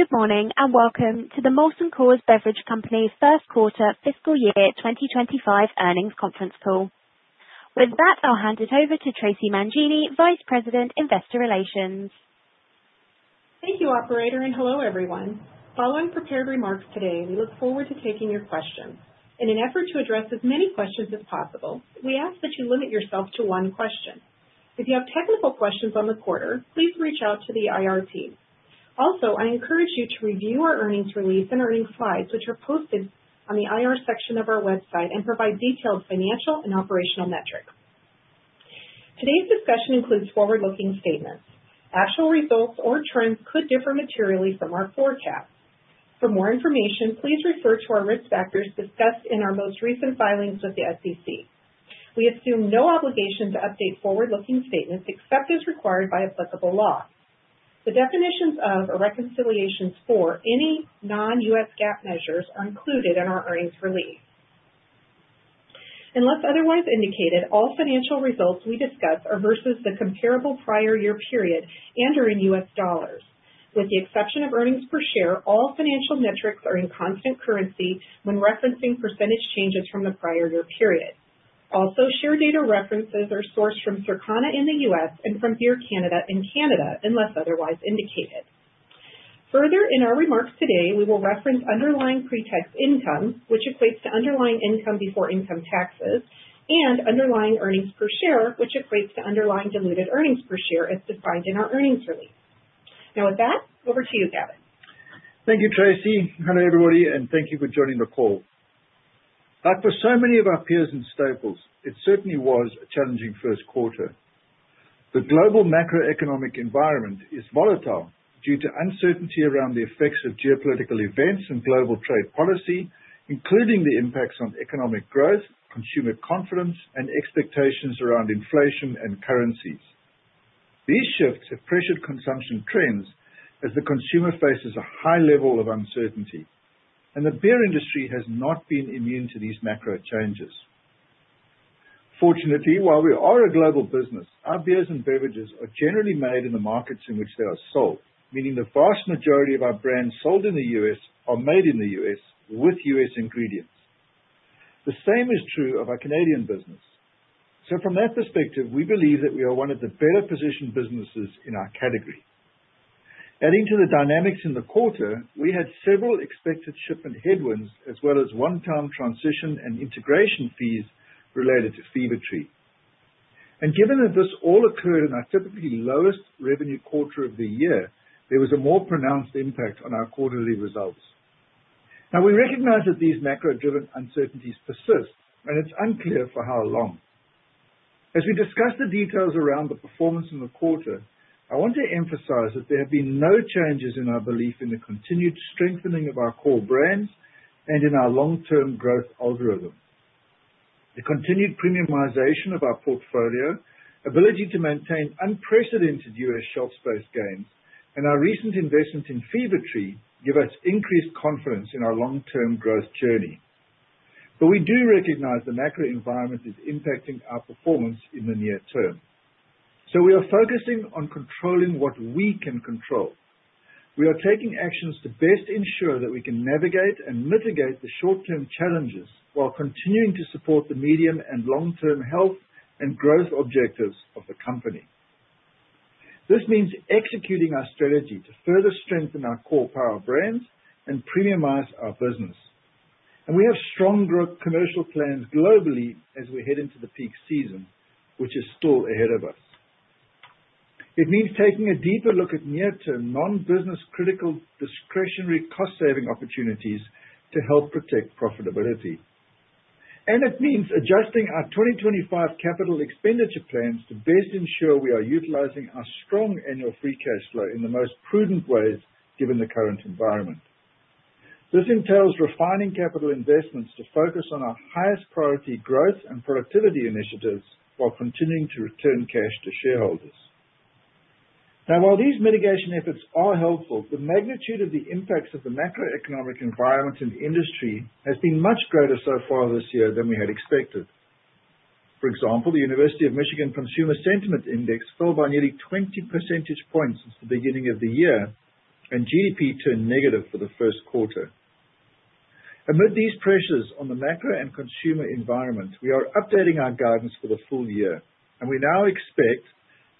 Good morning and welcome to the Molson Coors Beverage Company's first quarter fiscal year 2025 earnings conference call. With that, I'll hand it over to Traci Mangini, Vice President, Investor Relations. Thank you, Operator, and hello everyone. Following prepared remarks today, we look forward to taking your questions. In an effort to address as many questions as possible, we ask that you limit yourself to one question. If you have technical questions on the quarter, please reach out to the IR team. Also, I encourage you to review our earnings release and earnings slides, which are posted on the IR section of our website, and provide detailed financial and operational metrics. Today's discussion includes forward-looking statements. Actual results or trends could differ materially from our forecast. For more information, please refer to our risk factors discussed in our most recent filings with the SEC. We assume no obligation to update forward-looking statements except as required by applicable law. The definitions of or reconciliations for any non-U.S. GAAP measures are included in our earnings release. Unless otherwise indicated, all financial results we discuss are versus the comparable prior year period and are in U.S. dollars. With the exception of earnings per share, all financial metrics are in constant currency when referencing percentage changes from the prior year period. Also, share data references are sourced from Circana in the U.S. and from Beer Canada in Canada unless otherwise indicated. Further, in our remarks today, we will reference underlying pretax income, which equates to underlying income before income taxes, and underlying earnings per share, which equates to underlying diluted earnings per share as defined in our earnings release. Now with that, over to you, Gavin. Thank you, Traci. Hello everybody, and thank you for joining the call. Like for so many of our peers and staples, it certainly was a challenging first quarter. The global macroeconomic environment is volatile due to uncertainty around the effects of geopolitical events and global trade policy, including the impacts on economic growth, consumer confidence, and expectations around inflation and currencies. These shifts have pressured consumption trends as the consumer faces a high level of uncertainty, and the beer industry has not been immune to these macro changes. Fortunately, while we are a global business, our beers and beverages are generally made in the markets in which they are sold, meaning the vast majority of our brands sold in the U.S. are made in the U.S. with U.S. ingredients. The same is true of our Canadian business. From that perspective, we believe that we are one of the better positioned businesses in our category. Adding to the dynamics in the quarter, we had several expected shipment headwinds as well as one-time transition and integration fees related to Fever-Tree. Given that this all occurred in our typically lowest revenue quarter of the year, there was a more pronounced impact on our quarterly results. Now we recognize that these macro-driven uncertainties persist, and it's unclear for how long. As we discuss the details around the performance in the quarter, I want to emphasize that there have been no changes in our belief in the continued strengthening of our core brands and in our long-term growth algorithm. The continued premiumization of our portfolio, ability to maintain unprecedented U.S. shelf space gains, and our recent investment in Fever-Tree give us increased confidence in our long-term growth journey. But we do recognize the macro environment is impacting our performance in the near term. So we are focusing on controlling what we can control. We are taking actions to best ensure that we can navigate and mitigate the short-term challenges while continuing to support the medium and long-term health and growth objectives of the company. This means executing our strategy to further strengthen our core power brands and premiumize our business. And we have strong growth commercial plans globally as we head into the peak season, which is still ahead of us. It means taking a deeper look at near-term non-business critical discretionary cost-saving opportunities to help protect profitability. And it means adjusting our 2025 capital expenditure plans to best ensure we are utilizing our strong annual free cash flow in the most prudent ways given the current environment. This entails refining capital investments to focus on our highest priority growth and productivity initiatives while continuing to return cash to shareholders. Now, while these mitigation efforts are helpful, the magnitude of the impacts of the macroeconomic environment and industry has been much greater so far this year than we had expected. For example, the University of Michigan Consumer Sentiment Index fell by nearly 20 percentage points since the beginning of the year, and GDP turned negative for the first quarter. Amid these pressures on the macro and consumer environment, we are updating our guidance for the full year, and we now expect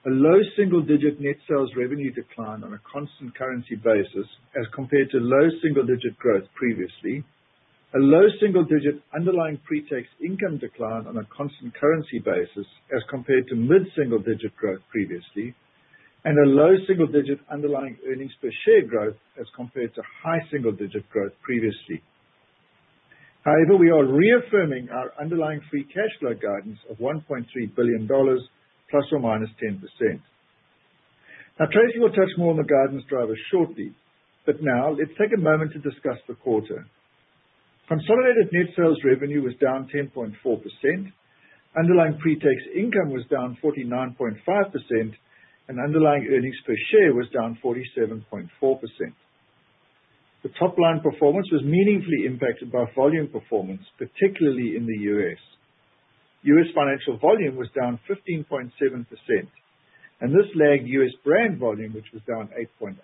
a low single-digit net sales revenue decline on a constant currency basis as compared to low single-digit growth previously, a low single-digit underlying pretax income decline on a constant currency basis as compared to mid-single-digit growth previously, and a low single-digit underlying earnings per share growth as compared to high single-digit growth previously. However, we are reaffirming our underlying free cash flow guidance of $1.3 billion, plus or minus 10%. Now, Tracey will touch more on the guidance drivers shortly, but now let's take a moment to discuss the quarter. Consolidated net sales revenue was down 10.4%, underlying pretax income was down 49.5%, and underlying earnings per share was down 47.4%. The top line performance was meaningfully impacted by volume performance, particularly in the U.S. U.S. shipment volume was down 15.7%, and this lagged U.S. brand volume, which was down 8.8%.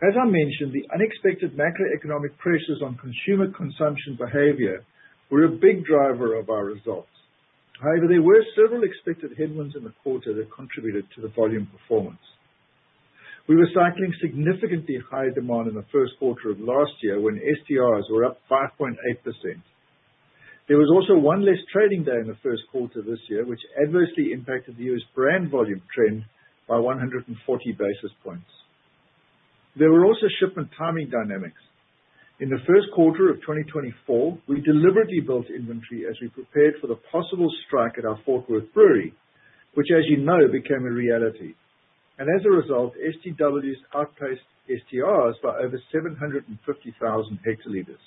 As I mentioned, the unexpected macroeconomic pressures on consumer consumption behavior were a big driver of our results. However, there were several expected headwinds in the quarter that contributed to the volume performance. We were cycling significantly higher demand in the first quarter of last year when STRs were up 5.8%. There was also one less trading day in the first quarter this year, which adversely impacted the U.S. brand volume trend by 140 basis points. There were also shipment timing dynamics. In the first quarter of 2024, we deliberately built inventory as we prepared for the possible strike at our Fort Worth brewery, which, as you know, became a reality, and as a result, STWs outpaced STRs by over 750,000 hectoliters.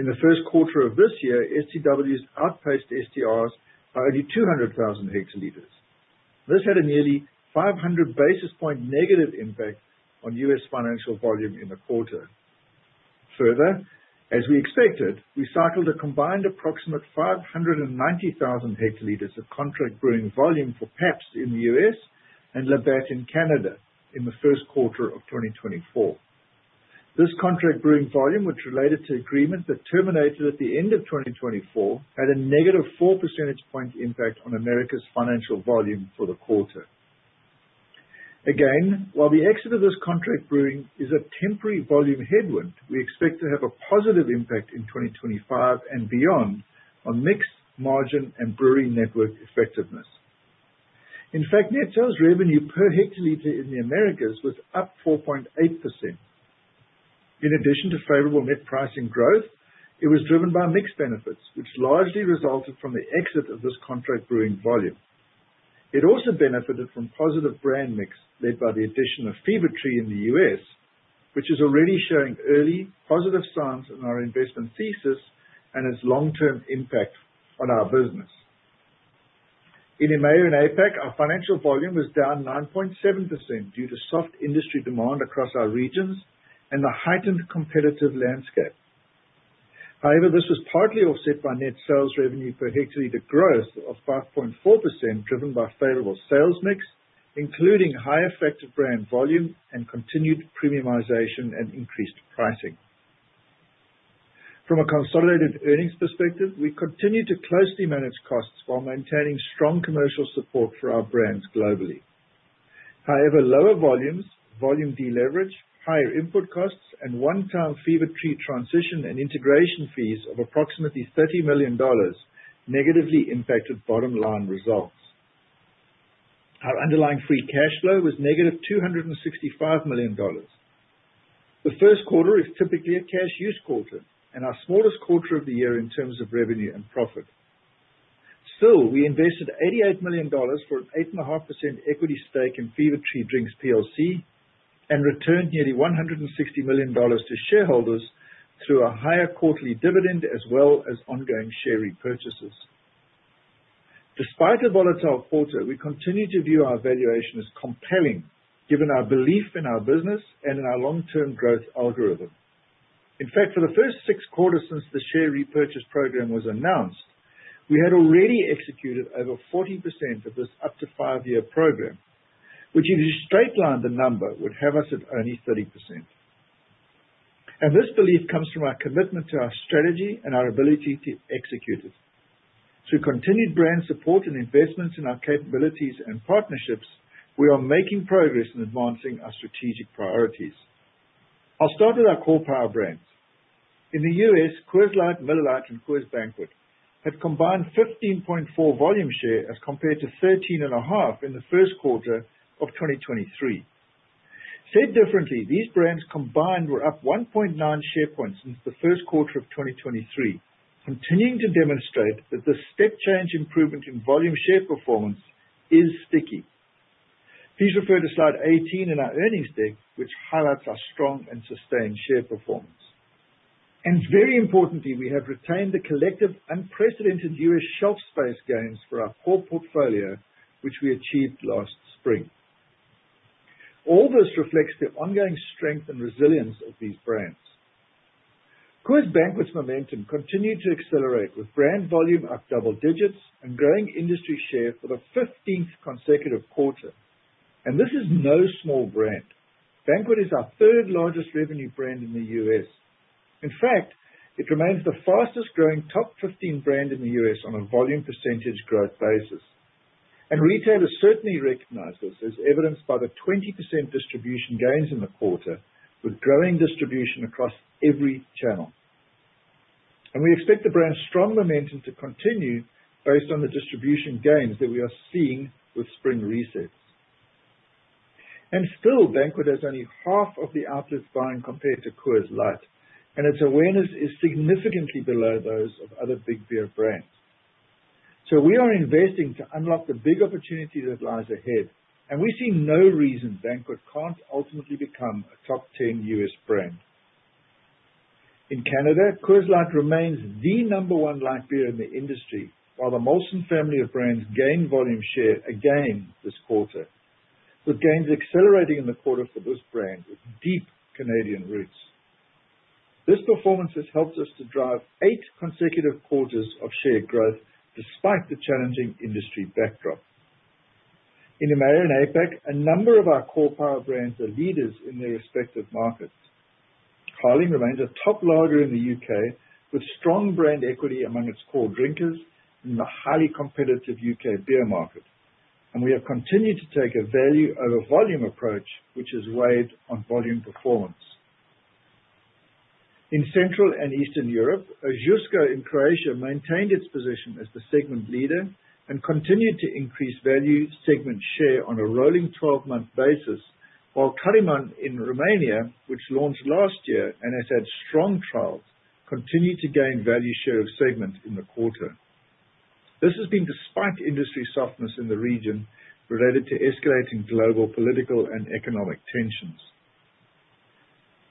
In the first quarter of this year, STWs outpaced STRs by only 200,000 hectoliters. This had a nearly 500 basis point negative impact on U.S. financial volume in the quarter. Further, as we expected, we cycled a combined approximate 590,000 hectoliters of contract brewing volume for Pabst in the U.S. and Labatt in Canada in the first quarter of 2024. This contract brewing volume, which related to agreement that terminated at the end of 2024, had a negative 4 percentage point impact on Americas financial volume for the quarter. Again, while the exit of this contract brewing is a temporary volume headwind, we expect to have a positive impact in 2025 and beyond on mixed margin and brewery network effectiveness. In fact, net sales revenue per hectoliter in the Americas was up 4.8%. In addition to favorable net pricing growth, it was driven by mix benefits, which largely resulted from the exit of this contract brewing volume. It also benefited from positive brand mix led by the addition of Fever-Tree in the U.S., which is already showing early positive signs in our investment thesis and its long-term impact on our business. In EMEA and APAC, our financial volume was down 9.7% due to soft industry demand across our regions and the heightened competitive landscape. However, this was partly offset by net sales revenue per hectoliter growth of 5.4% driven by favorable sales mix, including high effective brand volume and continued premiumization and increased pricing. From a consolidated earnings perspective, we continue to closely manage costs while maintaining strong commercial support for our brands globally. However, lower volumes, volume deleverage, higher input costs, and one-time Fever-Tree transition and integration fees of approximately $30 million negatively impacted bottom line results. Our underlying free cash flow was negative $265 million. The first quarter is typically a cash use quarter and our smallest quarter of the year in terms of revenue and profit. Still, we invested $88 million for an 8.5% equity stake in Fever-Tree Drinks PLC and returned nearly $160 million to shareholders through a higher quarterly dividend as well as ongoing share repurchases. Despite a volatile quarter, we continue to view our valuation as compelling given our belief in our business and in our long-term growth algorithm. In fact, for the first six quarters since the share repurchase program was announced, we had already executed over 40% of this up-to-five-year program, which, if you straight-lined the number, would have us at only 30%. This belief comes from our commitment to our strategy and our ability to execute it. Through continued brand support and investments in our capabilities and partnerships, we are making progress in advancing our strategic priorities. I'll start with our core power brands. In the U.S., Coors Light, Miller Lite, and Coors Banquet had combined 15.4 volume share as compared to 13.5 in the first quarter of 2023. Said differently, these brands combined were up 1.9 share points since the first quarter of 2023, continuing to demonstrate that the step-change improvement in volume share performance is sticky. Please refer to slide 18 in our earnings deck, which highlights our strong and sustained share performance. Very importantly, we have retained the collective unprecedented U.S. shelf space gains for our core portfolio, which we achieved last spring. All this reflects the ongoing strength and resilience of these brands. Coors Banquet's momentum continued to accelerate with brand volume up double digits and growing industry share for the 15th consecutive quarter, and this is no small brand. Banquet is our third largest revenue brand in the U.S. In fact, it remains the fastest growing top 15 brand in the U.S. on a volume percentage growth basis, and retailers certainly recognize this, as evidenced by the 20% distribution gains in the quarter, with growing distribution across every channel, and we expect the brand's strong momentum to continue based on the distribution gains that we are seeing with spring resets, and still, Banquet has only half of the outlets buying compared to Coors Light, and its awareness is significantly below those of other big beer brands, so we are investing to unlock the big opportunity that lies ahead, and we see no reason Banquet can't ultimately become a top 10 U.S. brand. In Canada, Coors Light remains the number one light beer in the industry, while the Molson family of brands gained volume share again this quarter, with gains accelerating in the quarter for this brand with deep Canadian roots. This performance has helped us to drive eight consecutive quarters of share growth despite the challenging industry backdrop. In EMEA and APAC, a number of our core power brands are leaders in their respective markets. Carling remains a top lager in the U.K. with strong brand equity among its core drinkers in the highly competitive U.K. beer market, and we have continued to take a value over volume approach, which has weighed on volume performance. In Central and Eastern Europe, Ožujsko in Croatia maintained its position as the segment leader and continued to increase value segment share on a rolling 12-month basis, while Caraiman in Romania, which launched last year and has had strong trials, continued to gain value share of segment in the quarter. This has been despite industry softness in the region related to escalating global political and economic tensions.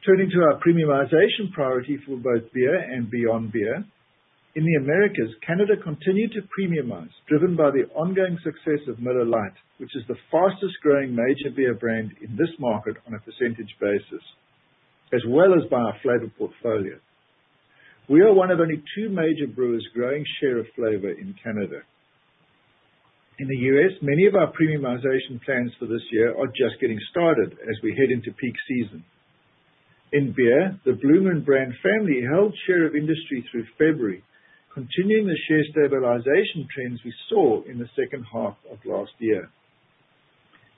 Turning to our premiumization priority for both beer and beyond beer, in the Americas, Canada continued to premiumize, driven by the ongoing success of Miller Lite, which is the fastest growing major beer brand in this market on a percentage basis, as well as by our flavor portfolio. We are one of only two major brewers growing share of flavor in Canada. In the U.S., many of our premiumization plans for this year are just getting started as we head into peak season. In beer, the Blue Moon brand family held share of industry through February, continuing the share stabilization trends we saw in the second half of last year.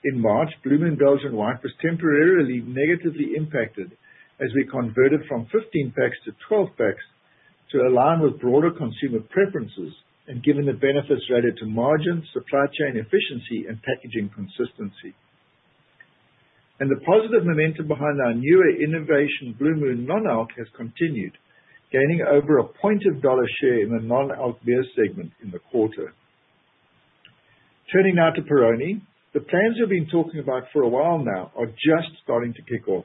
In March, Blue Moon Belgian White was temporarily negatively impacted as we converted from 15 packs to 12 packs to align with broader consumer preferences and given the benefits related to margin, supply chain efficiency, and packaging consistency. And the positive momentum behind our newer innovation Blue Moon non-alc has continued, gaining over a point of dollar share in the non-alc beer segment in the quarter. Turning now to Peroni, the plans we've been talking about for a while now are just starting to kick off.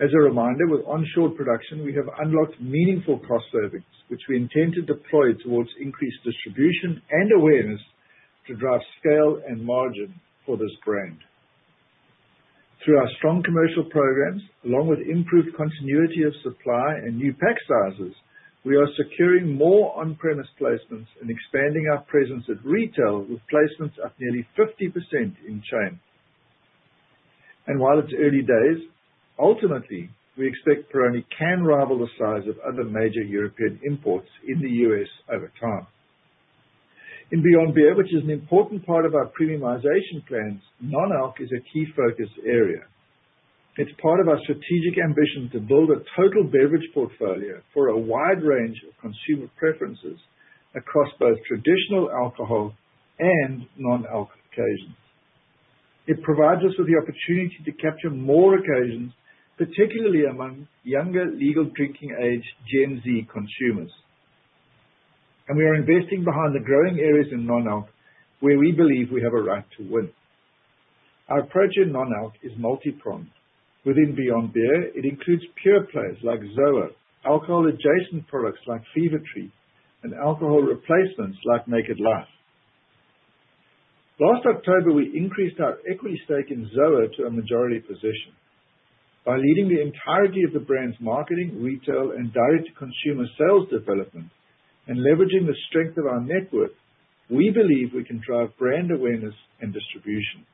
As a reminder, with onshore production, we have unlocked meaningful cost savings, which we intend to deploy towards increased distribution and awareness to drive scale and margin for this brand. Through our strong commercial programs, along with improved continuity of supply and new pack sizes, we are securing more on-premise placements and expanding our presence at retail with placements up nearly 50% in chain. And while it's early days, ultimately, we expect Peroni can rival the size of other major European imports in the U.S. over time. In Beyond Beer, which is an important part of our premiumization plans, non-alc is a key focus area. It's part of our strategic ambition to build a total beverage portfolio for a wide range of consumer preferences across both traditional alcohol and non-alc occasions. It provides us with the opportunity to capture more occasions, particularly among younger legal drinking age Gen Z consumers. And we are investing behind the growing areas in non-alc where we believe we have a right to win. Our approach in non-alc is multi-pronged. Within Beyond Beer, it includes pure plays like ZOA, alcohol-adjacent products like Fever-Tree, and alcohol replacements like Naked Life. Last October, we increased our equity stake in ZOA to a majority position. By leading the entirety of the brand's marketing, retail, and direct-to-consumer sales development, and leveraging the strength of our network, we believe we can drive brand awareness and distribution.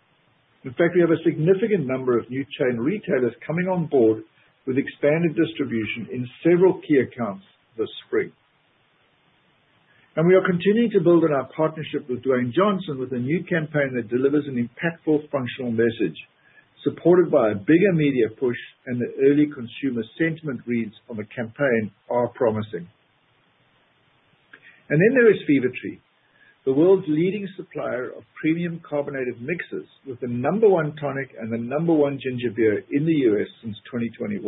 In fact, we have a significant number of new chain retailers coming on board with expanded distribution in several key accounts this spring, and we are continuing to build on our partnership with Dwayne Johnson with a new campaign that delivers an impactful functional message, supported by a bigger media push, and the early consumer sentiment reads on the campaign are promising. And then there is Fever-Tree, the world's leading supplier of premium carbonated mixes with the number one tonic and the number one ginger beer in the U.S. since 2021.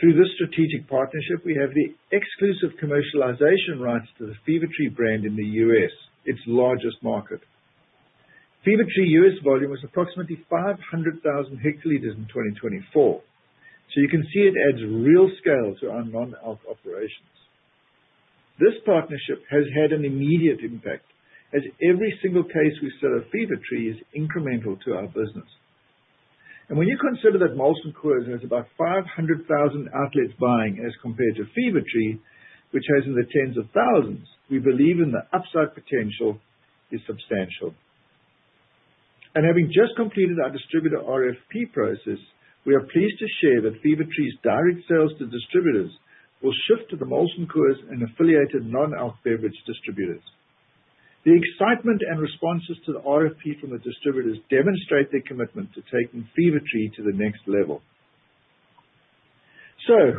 Through this strategic partnership, we have the exclusive commercialization rights to the Fever-Tree brand in the U.S., its largest market. Fever-Tree U.S. volume was approximately 500,000 hectoliters in 2024. So you can see it adds real scale to our non-alc operations. This partnership has had an immediate impact as every single case we sell of Fever-Tree is incremental to our business. And when you consider that Molson Coors has about 500,000 outlets buying as compared to Fever-Tree, which has in the tens of thousands, we believe in the upside potential is substantial. Having just completed our distributor RFP process, we are pleased to share that Fever-Tree's direct sales to distributors will shift to the Molson Coors and affiliated non-alc beverage distributors. The excitement and responses to the RFP from the distributors demonstrate their commitment to taking Fever-Tree to the next level.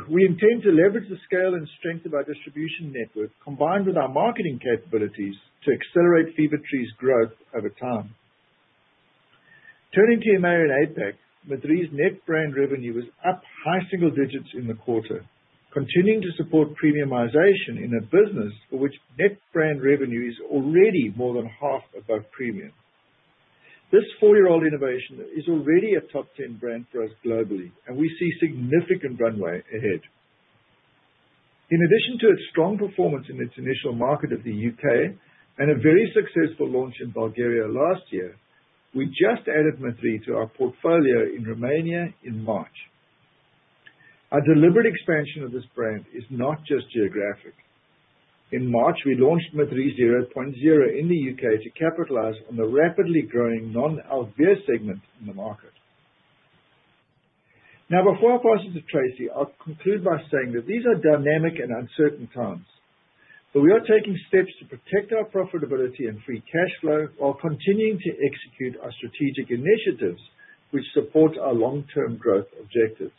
We intend to leverage the scale and strength of our distribution network combined with our marketing capabilities to accelerate Fever-Tree's growth over time. Turning to EMEA and APAC, Madrí's net brand revenue was up high single digits in the quarter, continuing to support premiumization in a business for which net brand revenue is already more than half above premium. This four-year-old innovation is already a top 10 brand for us globally, and we see significant runway ahead. In addition to its strong performance in its initial market of the U.K. and a very successful launch in Bulgaria last year, we just added Madrí Excepcional to our portfolio in Romania in March. Our deliberate expansion of this brand is not just geographic. In March, we launched Madrí Excepcional 0.0 in the U.K. to capitalize on the rapidly growing non-alcoholic beer segment in the market. Now, before I pass it to Traci, I'll conclude by saying that these are dynamic and uncertain times, but we are taking steps to protect our profitability and free cash flow while continuing to execute our strategic initiatives which support our long-term growth objectives.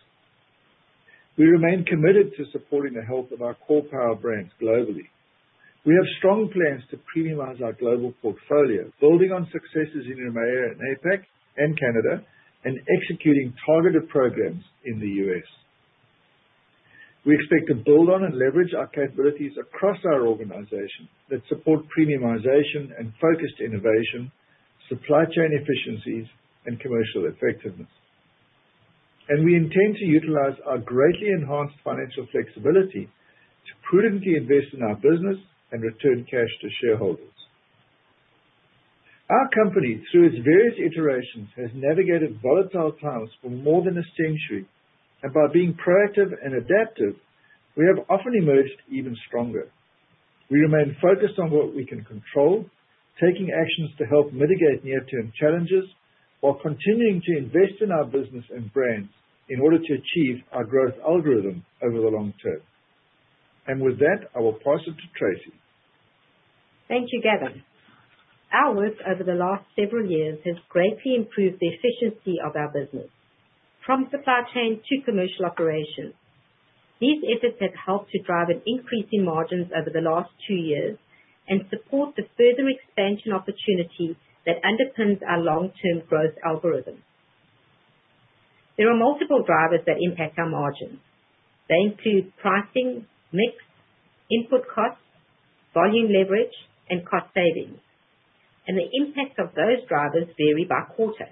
We remain committed to supporting the health of our core power brands globally. We have strong plans to premiumize our global portfolio, building on successes in EMEA and APAC and Canada, and executing targeted programs in the U.S. We expect to build on and leverage our capabilities across our organization that support premiumization and focused innovation, supply chain efficiencies, and commercial effectiveness. And we intend to utilize our greatly enhanced financial flexibility to prudently invest in our business and return cash to shareholders. Our company, through its various iterations, has navigated volatile times for more than a century, and by being proactive and adaptive, we have often emerged even stronger. We remain focused on what we can control, taking actions to help mitigate near-term challenges while continuing to invest in our business and brands in order to achieve our growth algorithm over the long term. And with that, I will pass it to Tracey. Thank you, Gavin. Our work over the last several years has greatly improved the efficiency of our business, from supply chain to commercial operations. These efforts have helped to drive an increase in margins over the last two years and support the further expansion opportunity that underpins our long-term growth algorithm. There are multiple drivers that impact our margins. They include pricing, mix, input costs, volume leverage, and cost savings. The impact of those drivers varies by quarter.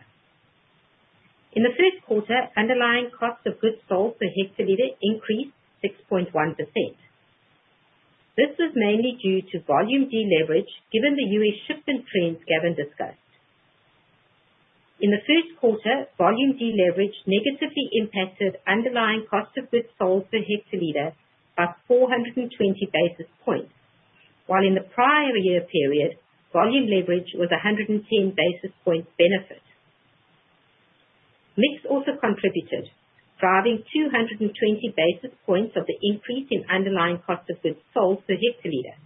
In the first quarter, underlying cost of goods sold per hectoliter increased 6.1%. This was mainly due to volume deleverage given the U.S. shipment trends Gavin discussed. In the first quarter, volume deleverage negatively impacted underlying cost of goods sold per hectoliter by 420 basis points, while in the prior year period, volume leverage was 110 basis points benefit. Mix also contributed, driving 220 basis points of the increase in underlying cost of goods sold per hectoliter.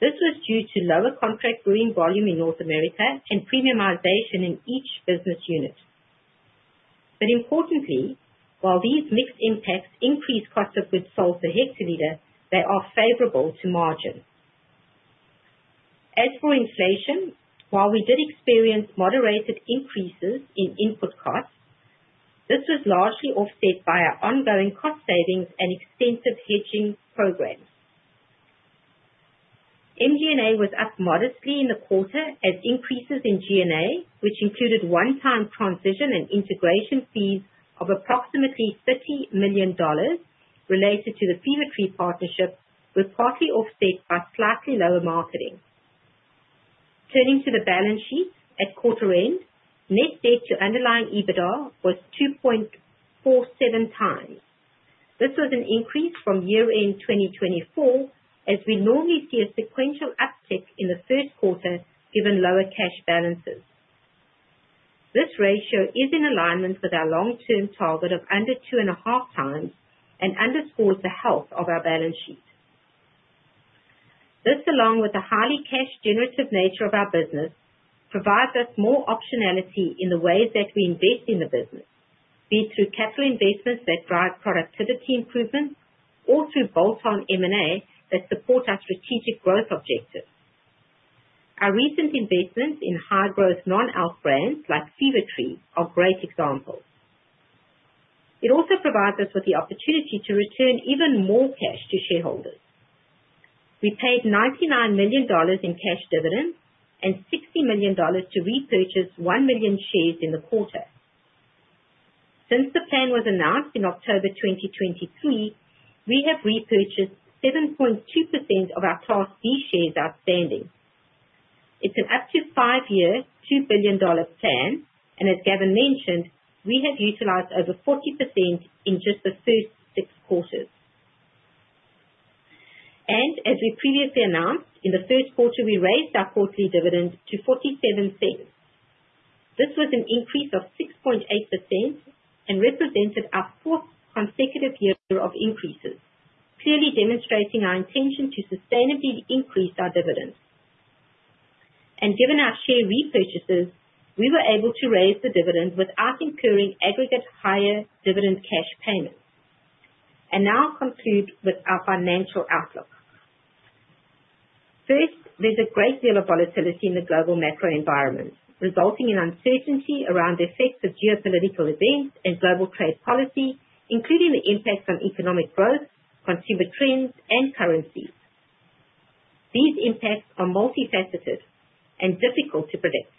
This was due to lower contract brewing volume in North America and premiumization in each business unit. But importantly, while these mixed impacts increase cost of goods sold per hectoliter, they are favorable to margin. As for inflation, while we did experience moderated increases in input costs, this was largely offset by our ongoing cost savings and extensive hedging programs. MG&A was up modestly in the quarter as increases in G&A, which included one-time transition and integration fees of approximately $30 million related to the Fever-Tree partnership, were partly offset by slightly lower marketing. Turning to the balance sheet at quarter end, net debt to underlying EBITDA was 2.47x. This was an increase from year-end 2024, as we normally see a sequential uptick in the first quarter given lower cash balances. This ratio is in alignment with our long-term target of under two and a half times and underscores the health of our balance sheet. This, along with the highly cash-generative nature of our business, provides us more optionality in the ways that we invest in the business, be it through capital investments that drive productivity improvements or through bolt-on M&A that support our strategic growth objectives. Our recent investments in high-growth non-alc brands like Fever-Tree are great examples. It also provides us with the opportunity to return even more cash to shareholders. We paid $99 million in cash dividends and $60 million to repurchase 1 million shares in the quarter. Since the plan was announced in October 2023, we have repurchased 7.2% of our Class B shares outstanding. It's an up-to-five-year, $2 billion plan, and as Gavin mentioned, we have utilized over 40% in just the first six quarters. And as we previously announced, in the first quarter, we raised our quarterly dividend to $0.47. This was an increase of 6.8% and represented our fourth consecutive year of increases, clearly demonstrating our intention to sustainably increase our dividends. And given our share repurchases, we were able to raise the dividend without incurring aggregate higher dividend cash payments. And now I'll conclude with our financial outlook. First, there's a great deal of volatility in the global macro environment, resulting in uncertainty around the effects of geopolitical events and global trade policy, including the impacts on economic growth, consumer trends, and currencies. These impacts are multifaceted and difficult to predict.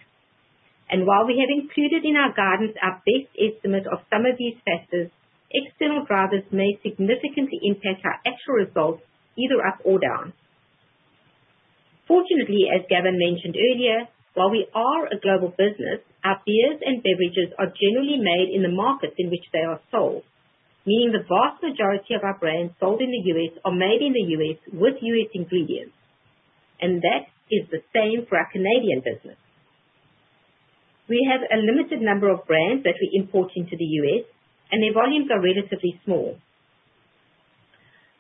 And while we have included in our guidance our best estimate of some of these factors, external drivers may significantly impact our actual results, either up or down. Fortunately, as Gavin mentioned earlier, while we are a global business, our beers and beverages are generally made in the markets in which they are sold, meaning the vast majority of our brands sold in the U.S. are made in the U.S. with U.S. ingredients, and that is the same for our Canadian business. We have a limited number of brands that we import into the U.S., and their volumes are relatively small.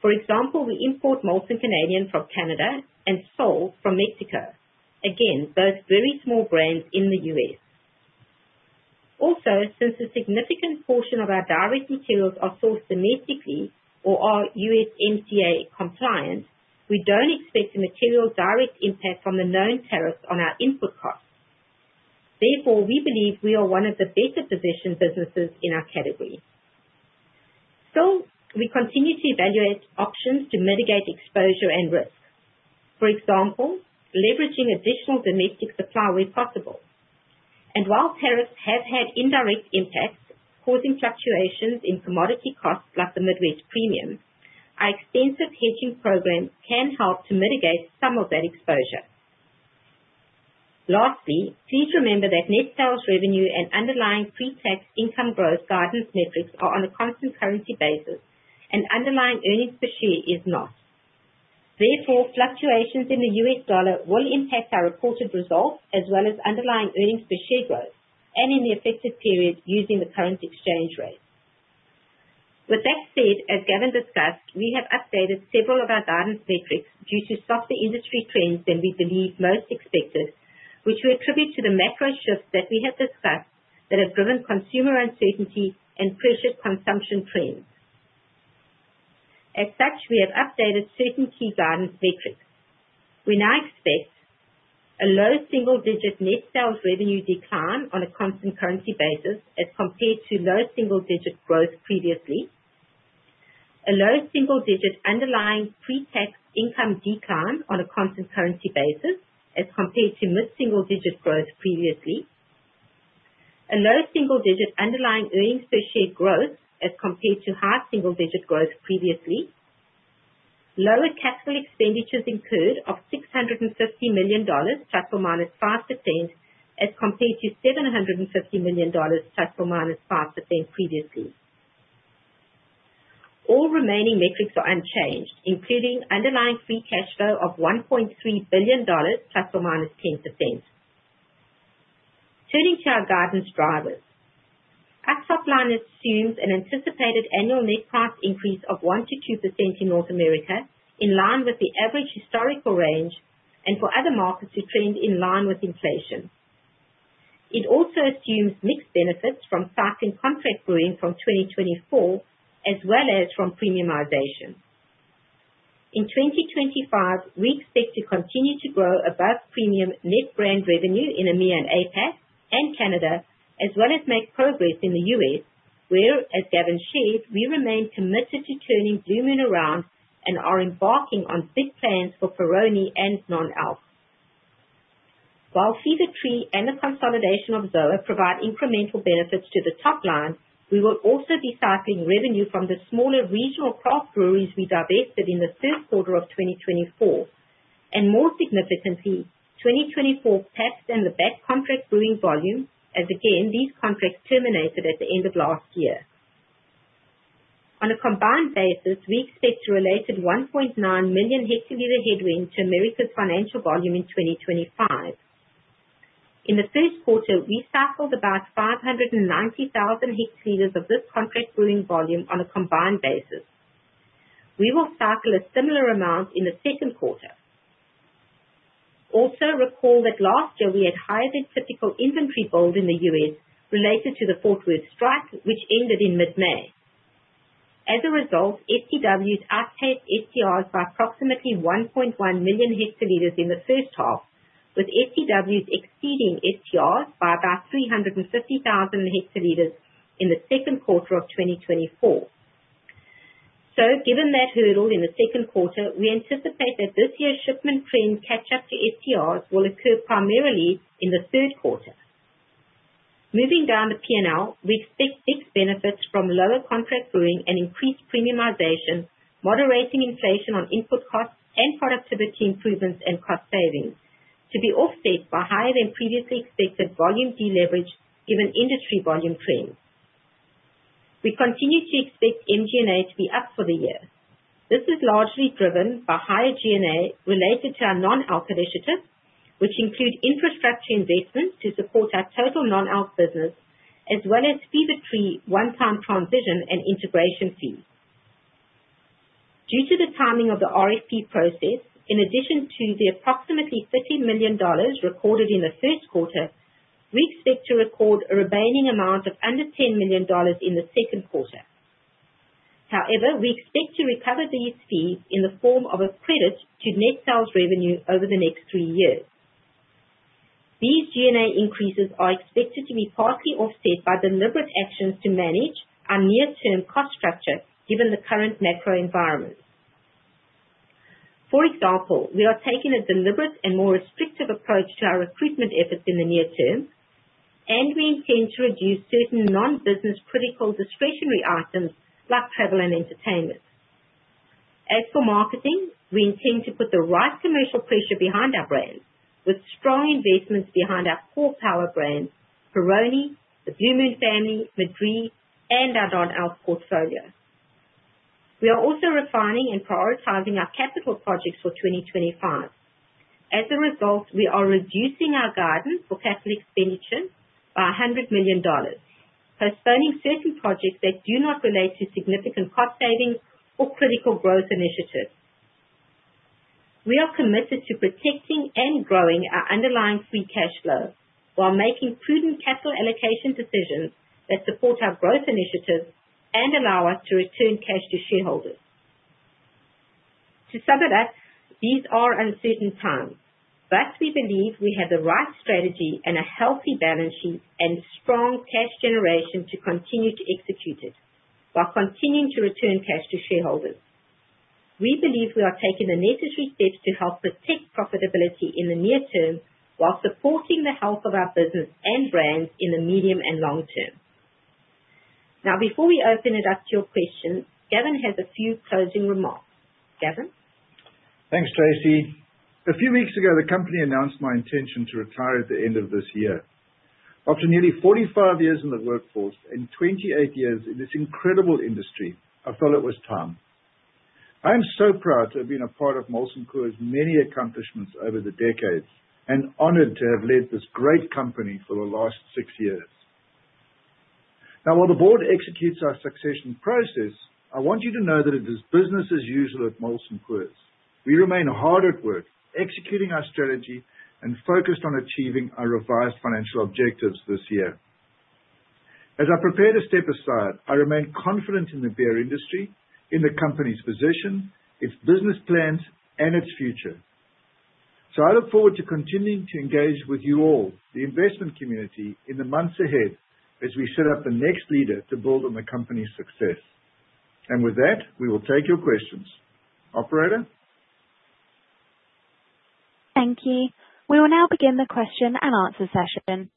For example, we import Molson Canadian from Canada and Sol from Mexico, again, both very small brands in the U.S. Also, since a significant portion of our direct materials are sourced domestically or are USMCA compliant, we don't expect a material direct impact from the known tariffs on our input costs. Therefore, we believe we are one of the better-positioned businesses in our category. Still, we continue to evaluate options to mitigate exposure and risk. For example, leveraging additional domestic supply where possible, and while tariffs have had indirect impacts, causing fluctuations in commodity costs like the Midwest Premium, our extensive hedging program can help to mitigate some of that exposure. Lastly, please remember that net sales revenue and underlying pretax income growth guidance metrics are on a constant currency basis, and underlying earnings per share is not. Therefore, fluctuations in the U.S. dollar will impact our reported results as well as underlying earnings per share growth and in the effective period using the current exchange rate. With that said, as Gavin discussed, we have updated several of our guidance metrics due to softer industry trends than we believe most expected, which we attribute to the macro shifts that we have discussed that have driven consumer uncertainty and pressured consumption trends. As such, we have updated certain key guidance metrics. We now expect a low single-digit net sales revenue decline on a constant currency basis as compared to low single-digit growth previously, a low single-digit underlying pre-tax income decline on a constant currency basis as compared to mid-single-digit growth previously, a low single-digit underlying earnings per share growth as compared to high single-digit growth previously, lower capital expenditures incurred of $650 million ±5% as compared to $750 million ±5% previously. All remaining metrics are unchanged, including underlying free cash flow of $1.3 billion ±10%. Turning to our guidance drivers, our top line assumes an anticipated annual net price increase of 1%-2% in North America in line with the average historical range and for other markets to trend in line with inflation. It also assumes mixed benefits from sizing contract brewing from 2024 as well as from premiumization. In 2025, we expect to continue to grow above premium net brand revenue in EMEA and APAC and Canada, as well as make progress in the U.S., where, as Gavin shared, we remain committed to turning Blue Moon around and are embarking on big plans for Peroni and non-alc. While Fever-Tree and the consolidation of ZOA provide incremental benefits to the top line, we will also be cycling revenue from the smaller regional craft breweries we divested in the first quarter of 2024. More significantly, 2024 pass-through and the Pabst contract brewing volume, as again, these contracts terminated at the end of last year. On a combined basis, we expect a related 1.9 million hectoliter headwind to Americas financial volume in 2025. In the first quarter, we cycled about 590,000 hectoliters of this contract brewing volume on a combined basis. We will cycle a similar amount in the second quarter. Also, recall that last year we had higher than typical inventory build in the U.S. related to the Fort Worth strike, which ended in mid-May. As a result, STWs outpaced STRs by approximately 1.1 million hectoliters in the first half, with STWs exceeding STRs by about 350,000 hectoliters in the second quarter of 2024. So, given that hurdle in the second quarter, we anticipate that this year's shipment trend catch-up to STRs will occur primarily in the third quarter. Moving down the P&L, we expect mixed benefits from lower contract brewing and increased premiumization, moderating inflation on input costs and productivity improvements and cost savings, to be offset by higher than previously expected volume deleverage given industry volume trends. We continue to expect MG&A to be up for the year. This is largely driven by higher G&A related to our non-alc initiatives, which include infrastructure investments to support our total non-alc business, as well as Fever-Tree one-time transition and integration fees. Due to the timing of the RFP process, in addition to the approximately $30 million recorded in the first quarter, we expect to record a remaining amount of under $10 million in the second quarter. However, we expect to recover these fees in the form of a credit to net sales revenue over the next three years. These G&A increases are expected to be partly offset by deliberate actions to manage our near-term cost structure given the current macro environment. For example, we are taking a deliberate and more restrictive approach to our recruitment efforts in the near term, and we intend to reduce certain non-business critical discretionary items like travel and entertainment. As for marketing, we intend to put the right commercial pressure behind our brands, with strong investments behind our core power brands, Peroni, the Blue Moon family, Madrí, and our non-alc portfolio. We are also refining and prioritizing our capital projects for 2025. As a result, we are reducing our guidance for capital expenditure by $100 million, postponing certain projects that do not relate to significant cost savings or critical growth initiatives. We are committed to protecting and growing our underlying free cash flow while making prudent capital allocation decisions that support our growth initiatives and allow us to return cash to shareholders. To sum it up, these are uncertain times, but we believe we have the right strategy and a healthy balance sheet and strong cash generation to continue to execute it while continuing to return cash to shareholders. We believe we are taking the necessary steps to help protect profitability in the near term while supporting the health of our business and brands in the medium and long term. Now, before we open it up to your questions, Gavin has a few closing remarks. Gavin? Thanks, Tracey. A few weeks ago, the company announced my intention to retire at the end of this year. After nearly 45 years in the workforce and 28 years in this incredible industry, I felt it was time. I am so proud to have been a part of Molson Coors' many accomplishments over the decades and honored to have led this great company for the last six years. Now, while the board executes our succession process, I want you to know that it is business as usual at Molson Coors. We remain hard at work, executing our strategy and focused on achieving our revised financial objectives this year. As I prepare to step aside, I remain confident in the beer industry, in the company's position, its business plans, and its future. So I look forward to continuing to engage with you all, the investment community, in the months ahead as we set up the next leader to build on the company's success. And with that, we will take your questions. Operator? Thank you. We will now begin the question and answer session.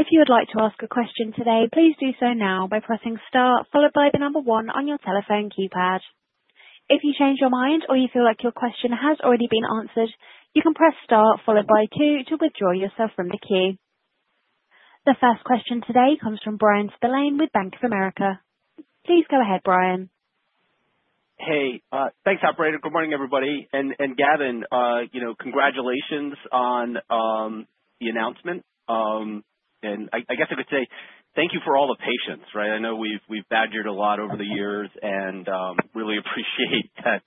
If you would like to ask a question today, please do so now by pressing star, followed by the number one on your telephone keypad. If you change your mind or you feel like your question has already been answered, you can press star, followed by two, to withdraw yourself from the queue. The first question today comes from Bryan Spillane with Bank of America. Please go ahead, Bryan. Hey. Thanks, Operator. Good morning, everybody. And Gavin, congratulations on the announcement. And I guess I could say thank you for all the patience, right? I know we've badgered a lot over the years and really appreciate that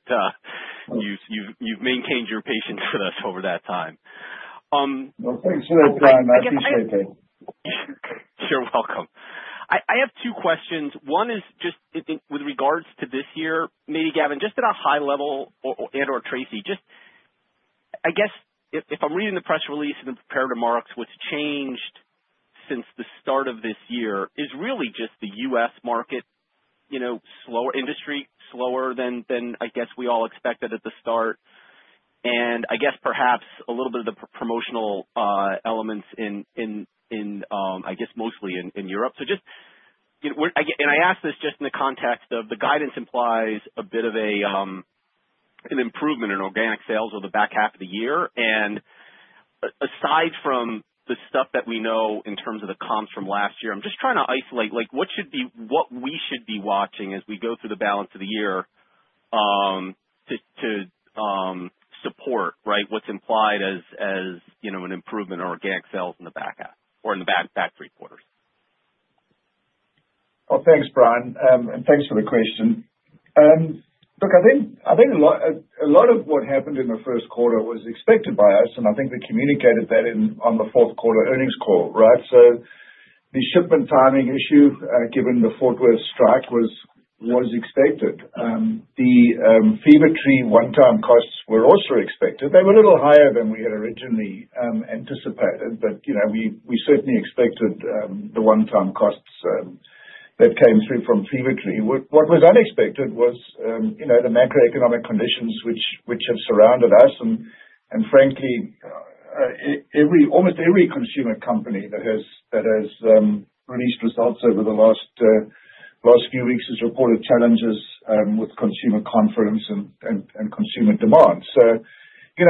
you've maintained your patience with us over that time. Well, thanks for that, Bryan. I appreciate that. You're welcome. I have two questions. One is just with regards to this year, maybe, Gavin, just at a high level and/or Tracey, just I guess if I'm reading the press release and the parameters, what's changed since the start of this year is really just the U.S. market, industry slower than I guess we all expected at the start. And I guess perhaps a little bit of the promotional elements in, I guess, mostly in Europe. And I ask this just in the context of the guidance implies a bit of an improvement in organic sales over the back half of the year. And aside from the stuff that we know in terms of the comps from last year, I'm just trying to isolate what we should be watching as we go through the balance of the year to support, right, what's implied as an improvement in organic sales in the back half or in the back three quarters. Well, thanks, Bryan. And thanks for the question. Look, I think a lot of what happened in the first quarter was expected by us, and I think we communicated that on the fourth quarter earnings call, right? So the shipment timing issue, given the Fort Worth strike, was expected. The Fever-Tree one-time costs were also expected. They were a little higher than we had originally anticipated, but we certainly expected the one-time costs that came through from Fever-Tree. What was unexpected was the macroeconomic conditions which have surrounded us. And frankly, almost every consumer company that has released results over the last few weeks has reported challenges with consumer confidence and consumer demand. So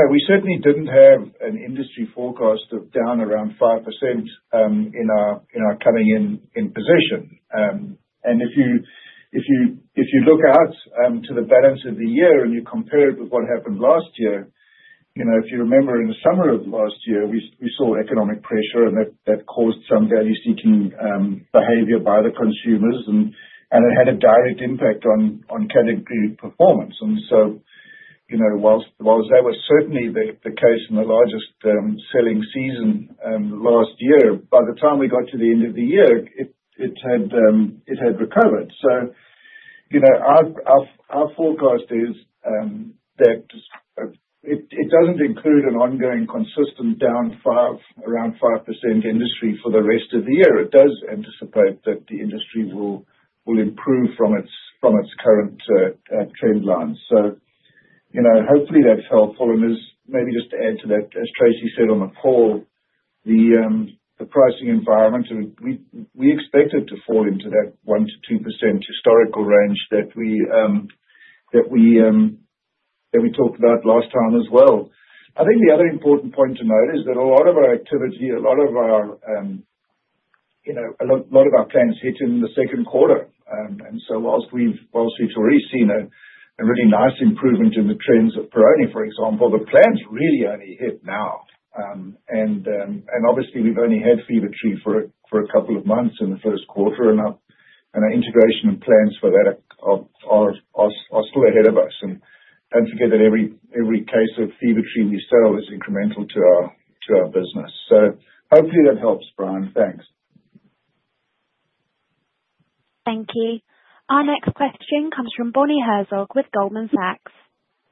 we certainly didn't have an industry forecast of down around 5% in our coming-in position. And if you look out to the balance of the year and you compare it with what happened last year, if you remember, in the summer of last year, we saw economic pressure, and that caused some value-seeking behavior by the consumers, and it had a direct impact on category performance. And so while that was certainly the case in the largest selling season last year, by the time we got to the end of the year, it had recovered. So our forecast is that it doesn't include an ongoing consistent down around 5% industry for the rest of the year. It does anticipate that the industry will improve from its current trend line. So hopefully that's helpful. And maybe just to add to that, as Tracey said on the call, the pricing environment, we expected to fall into that 1%-2% historical range that we talked about last time as well. I think the other important point to note is that a lot of our activity, a lot of our plans hit in the second quarter. And so while we've already seen a really nice improvement in the trends of Peroni, for example. The plans really only hit now. And obviously, we've only had Fever-Tree for a couple of months in the first quarter, and our integration and plans for that are still ahead of us. And don't forget that every case of Fever-Tree we sell is incremental to our business. So hopefully that helps, Brian. Thanks. Thank you. Our next question comes from Bonnie Herzog with Goldman Sachs.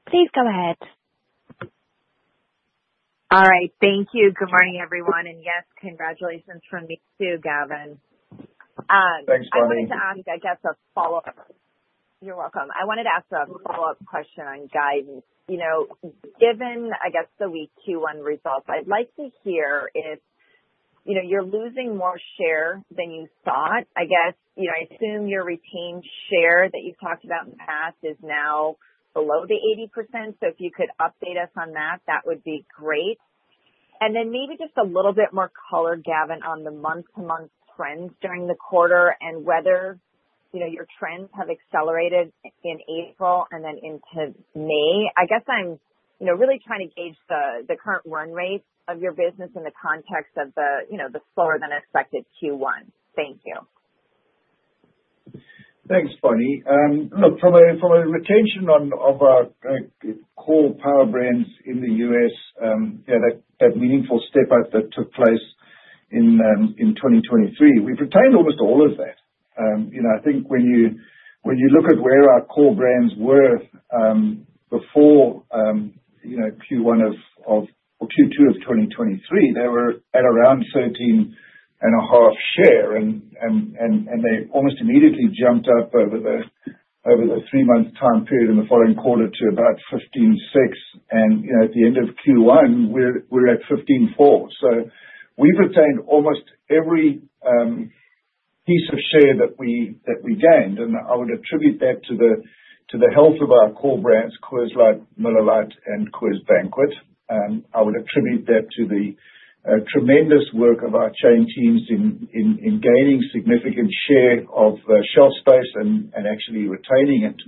Please go ahead. All right. Thank you. Good morning, everyone. And yes, congratulations from me too, Gavin. Thanks, Bonnie. I wanted to ask, I guess, a follow-up. You're welcome. I wanted to ask a follow-up question on guidance. Given, I guess, the Week 21 results, I'd like to hear if you're losing more share than you thought. I guess I assume your retained share that you've talked about in the past is now below the 80%. So if you could update us on that, that would be great. And then maybe just a little bit more color, Gavin, on the month-to-month trends during the quarter and whether your trends have accelerated in April and then into May. I guess I'm really trying to gauge the current run rate of your business in the context of the slower-than-expected Q1. Thank you. Thanks, Bonnie. Look, from a retention of our core power brands in the U.S., that meaningful step-up that took place in 2023, we've retained almost all of that. I think when you look at where our core brands were before Q1 of or Q2 of 2023, they were at around 13.5% share, and they almost immediately jumped up over the three-month time period in the following quarter to about 15.6%. And at the end of Q1, we're at 15.4%. So we've retained almost every piece of share that we gained. And I would attribute that to the health of our core brands, Coors Light, Miller Lite, and Coors Banquet. I would attribute that to the tremendous work of our chain teams in gaining significant share of shelf space and actually retaining it,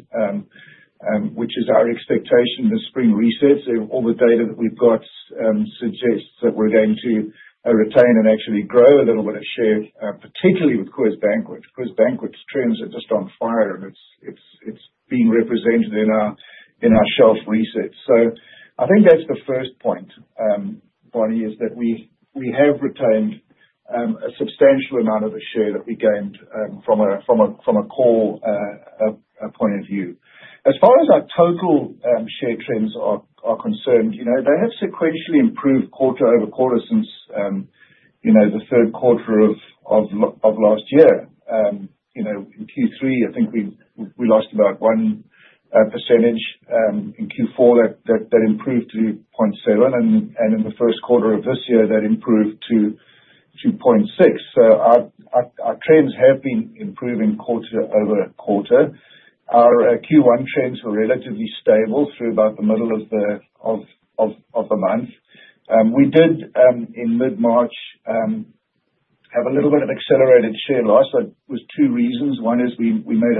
which is our expectation this spring reset. All the data that we've got suggests that we're going to retain and actually grow a little bit of share, particularly with Coors Banquet. Coors Banquet's trends are just on fire, and it's being represented in our shelf reset. I think that's the first point, Bonnie, is that we have retained a substantial amount of the share that we gained from a core point of view. As far as our total share trends are concerned, they have sequentially improved quarter over quarter since the third quarter of last year. In Q3, I think we lost about 1%. In Q4, that improved to 0.7%, and in the first quarter of this year, that improved to 0.6%. Our trends have been improving quarter over quarter. Our Q1 trends were relatively stable through about the middle of the month. We did, in mid-March, have a little bit of accelerated share loss, but with two reasons. One is we made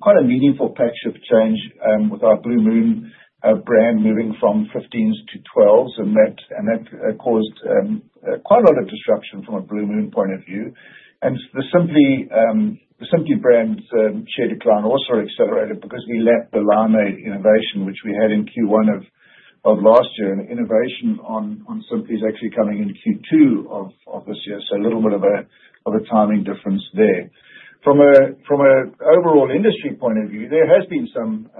quite a meaningful pack shift change with our Blue Moon brand moving from 15s-12s, and that caused quite a lot of disruption from a Blue Moon point of view. The Simply brand's share decline also accelerated because we had the Limeade innovation, which we had in Q1 of last year, and innovation on Simply is actually coming in Q2 of this year. A little bit of a timing difference there. From an overall industry point of view, there has been some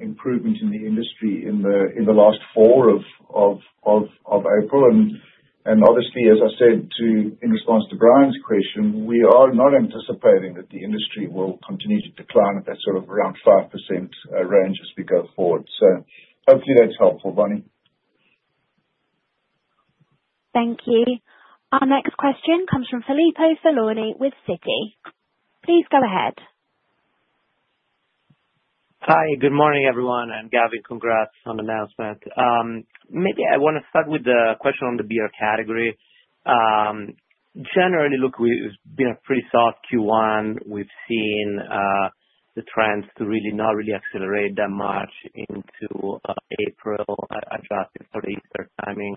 improvement in the industry in the last four weeks of April. Obviously, as I said in response to Bryan's question, we are not anticipating that the industry will continue to decline at that sort of around 5% range as we go forward. Hopefully that's helpful, Bonnie. Thank you. Our next question comes from Filippo Falorni with Citi. Please go ahead. Hi. Good morning, everyone, and Gavin, congrats on the announcement. Maybe I want to start with the question on the beer category. Generally, look, we've been a pretty soft Q1. We've seen the trends to not really accelerate that much into April, adjusting for the Easter timing.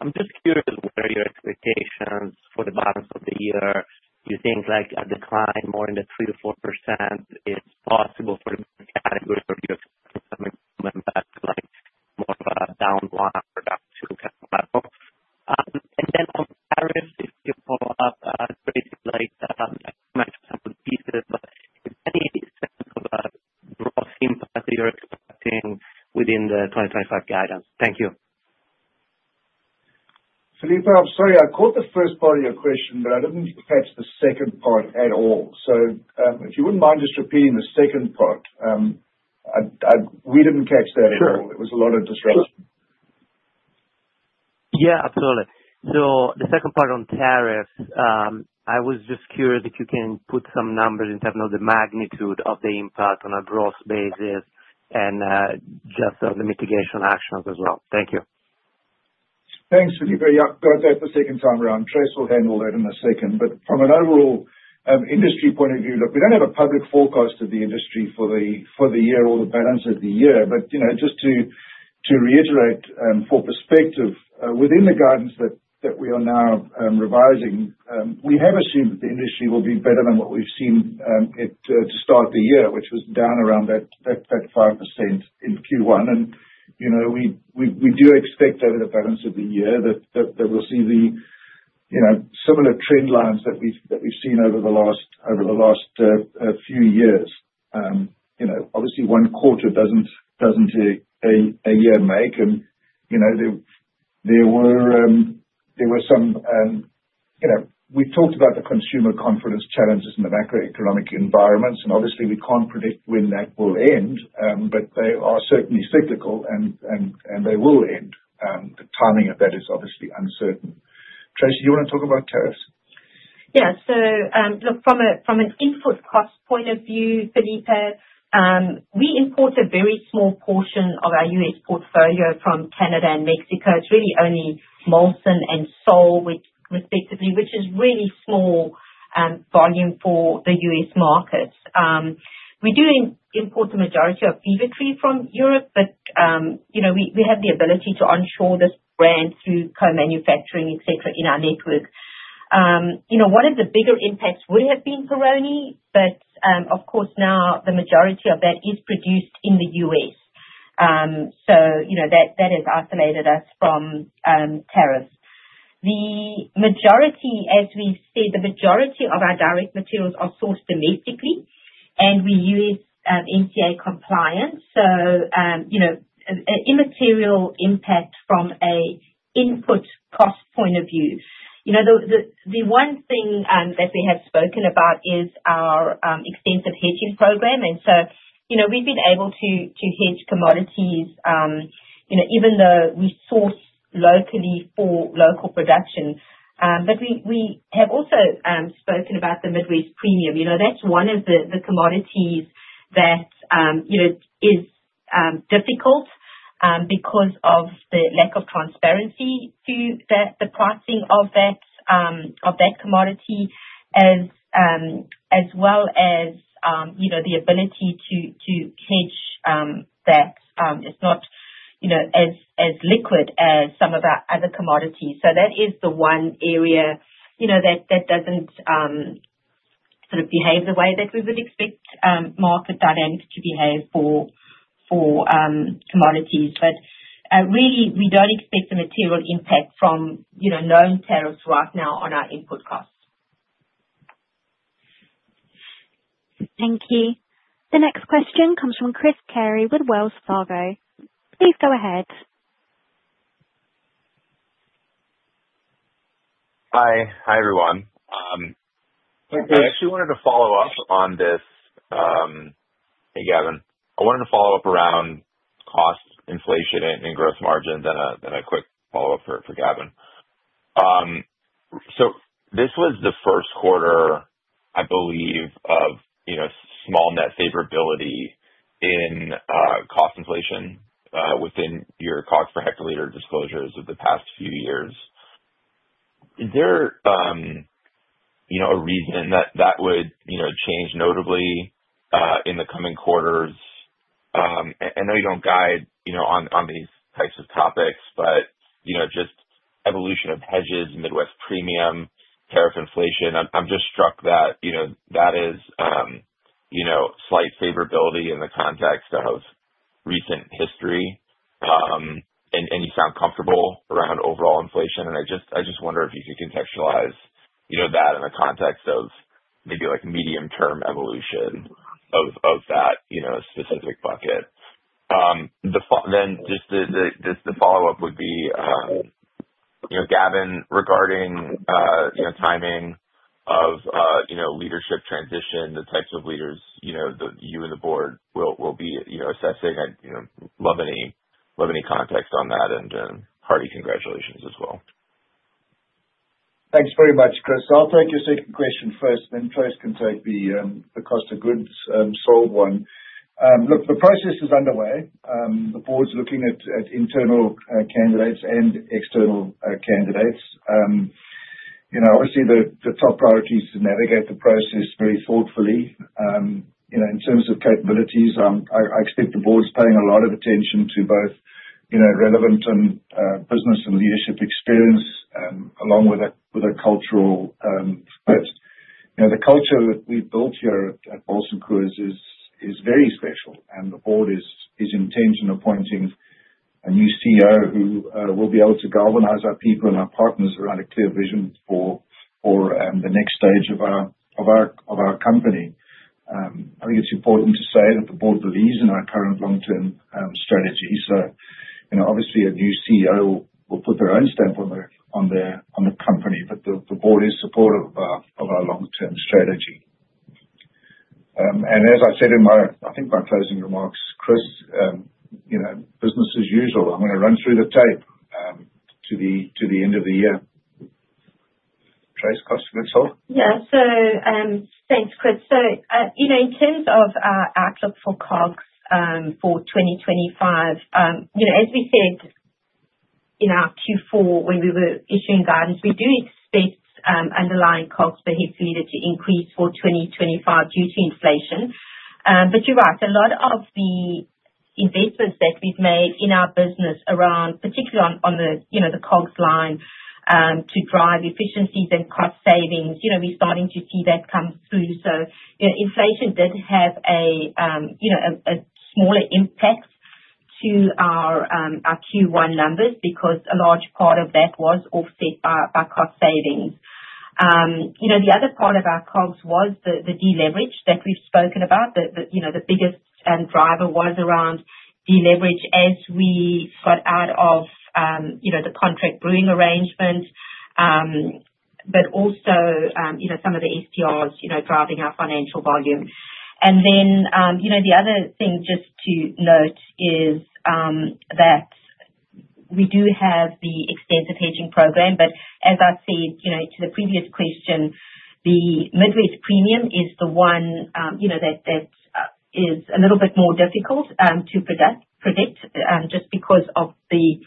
I'm just curious what are your expectations for the balance of the year? You think a decline more in the 3%-4% is possible for the category, or do you expect some improvement back to more of a down one or down two kind of level? And then on tariffs, if you follow up, Tracey, I'd like to match up some pieces, but any sense of a broad theme that you're expecting within the 2025 guidance? Thank you. Filippo, I'm sorry. I caught the first part of your question, but I didn't catch the second part at all. So if you wouldn't mind just repeating the second part. We didn't catch that at all. It was a lot of disruption. Yeah, absolutely. So the second part on tariffs, I was just curious if you can put some numbers in terms of the magnitude of the impact on a broad basis and just on the mitigation actions as well. Thank you. Thanks, Filippo. Yeah, go ahead for a second time, Bryan. Trace will handle that in a second. But from an overall industry point of view, look, we don't have a public forecast of the industry for the year or the balance of the year. But just to reiterate for perspective, within the guidance that we are now revising, we have assumed that the industry will be better than what we've seen to start the year, which was down around that 5% in Q1. And we do expect over the balance of the year that we'll see the similar trend lines that we've seen over the last few years. Obviously, one quarter doesn't a year make. And there were some we talked about the consumer confidence challenges in the macroeconomic environments, and obviously, we can't predict when that will end, but they are certainly cyclical, and they will end. The timing of that is obviously uncertain. Tracey, do you want to talk about tariffs? Yeah. So look, from an input cost point of view, Filippo, we import a very small portion of our U.S. portfolio from Canada and Mexico. It's really only Molson and Sol, respectively, which is really small volume for the US markets. We do import the majority of Fever-Tree from Europe, but we have the ability to onshore this brand through co-manufacturing, etc., in our network. One of the bigger impacts would have been Peroni, but of course, now the majority of that is produced in the U.S. So that has isolated us from tariffs. The majority, as we've said, the majority of our direct materials are sourced domestically, and we use USMCA compliance. So immaterial impact from an input cost point of view. The one thing that we have spoken about is our extensive hedging program. And so we've been able to hedge commodities, even though we source locally for local production. But we have also spoken about the Midwest Premium. That's one of the commodities that is difficult because of the lack of transparency to the pricing of that commodity, as well as the ability to hedge that. It's not as liquid as some of our other commodities. So that is the one area that doesn't sort of behave the way that we would expect market dynamics to behave for commodities. But really, we don't expect a material impact from known tariffs right now on our input costs. Thank you. The next question comes from Chris Carey with Wells Fargo. Please go ahead. Hi. Hi, everyone. I actually wanted to follow up on this. Hey, Gavin. I wanted to follow up around cost inflation and gross margins and a quick follow-up for Gavin. So this was the first quarter, I believe, of small net favorability in cost inflation within your cost per hectoliter disclosures of the past few years. Is there a reason that that would change notably in the coming quarters? I know you don't guide on these types of topics, but just evolution of hedges, Midwest Premium, tariff inflation. I'm just struck that that is slight favorability in the context of recent history, and you sound comfortable around overall inflation, and I just wonder if you could contextualize that in the context of maybe medium-term evolution of that specific bucket. Then just the follow-up would be, Gavin, regarding timing of leadership transition, the types of leaders that you and the board will be assessing. I'd love any context on that, and hearty congratulations as well. Thanks very much, Chris. I'll take your second question first, then Tracey can take the cost of goods sold one. Look, the process is underway. The board's looking at internal candidates and external candidates. Obviously, the top priority is to navigate the process very thoughtfully. In terms of capabilities, I expect the board's paying a lot of attention to both relevant business and leadership experience along with a cultural fit. The culture that we've built here at Molson Coors is very special, and the board is intent on appointing a new CEO who will be able to galvanize our people and our partners around a clear vision for the next stage of our company. I think it's important to say that the board believes in our current long-term strategy. A new CEO will put their own stamp on the company, but the board is supportive of our long-term strategy. As I said in my, I think, my closing remarks, Chris, business as usual. I'm going to run through the tape to the end of the year. Tracey, COGS? Yeah. So thanks, Chris. In terms of our outlook for COGS for 2025, as we said in our Q4 when we were issuing guidance, we do expect underlying COGS per hectoliter to increase for 2025 due to inflation. But you're right. A lot of the investments that we've made in our business around, particularly on the COGS line, to drive efficiencies and cost savings, we're starting to see that come through. So inflation did have a smaller impact to our Q1 numbers because a large part of that was offset by cost savings. The other part of our COGS was the deleverage that we've spoken about. The biggest driver was around deleverage as we got out of the contract brewing arrangement, but also some of the STRs driving our financial volume. And then the other thing just to note is that we do have the extensive hedging program. But as I said to the previous question, the Midwest Premium is the one that is a little bit more difficult to predict just because of the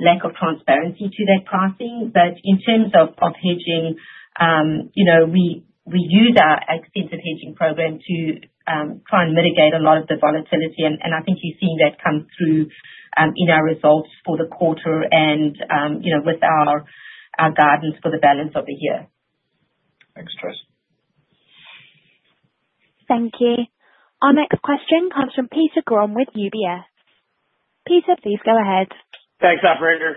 lack of transparency to that pricing. But in terms of hedging, we use our extensive hedging program to try and mitigate a lot of the volatility. And I think you're seeing that come through in our results for the quarter and with our guidance for the balance of the year. Thanks, Tracey. Thank you. Our next question comes from Peter Grom with UBS. Peter, please go ahead. Thanks, Operator.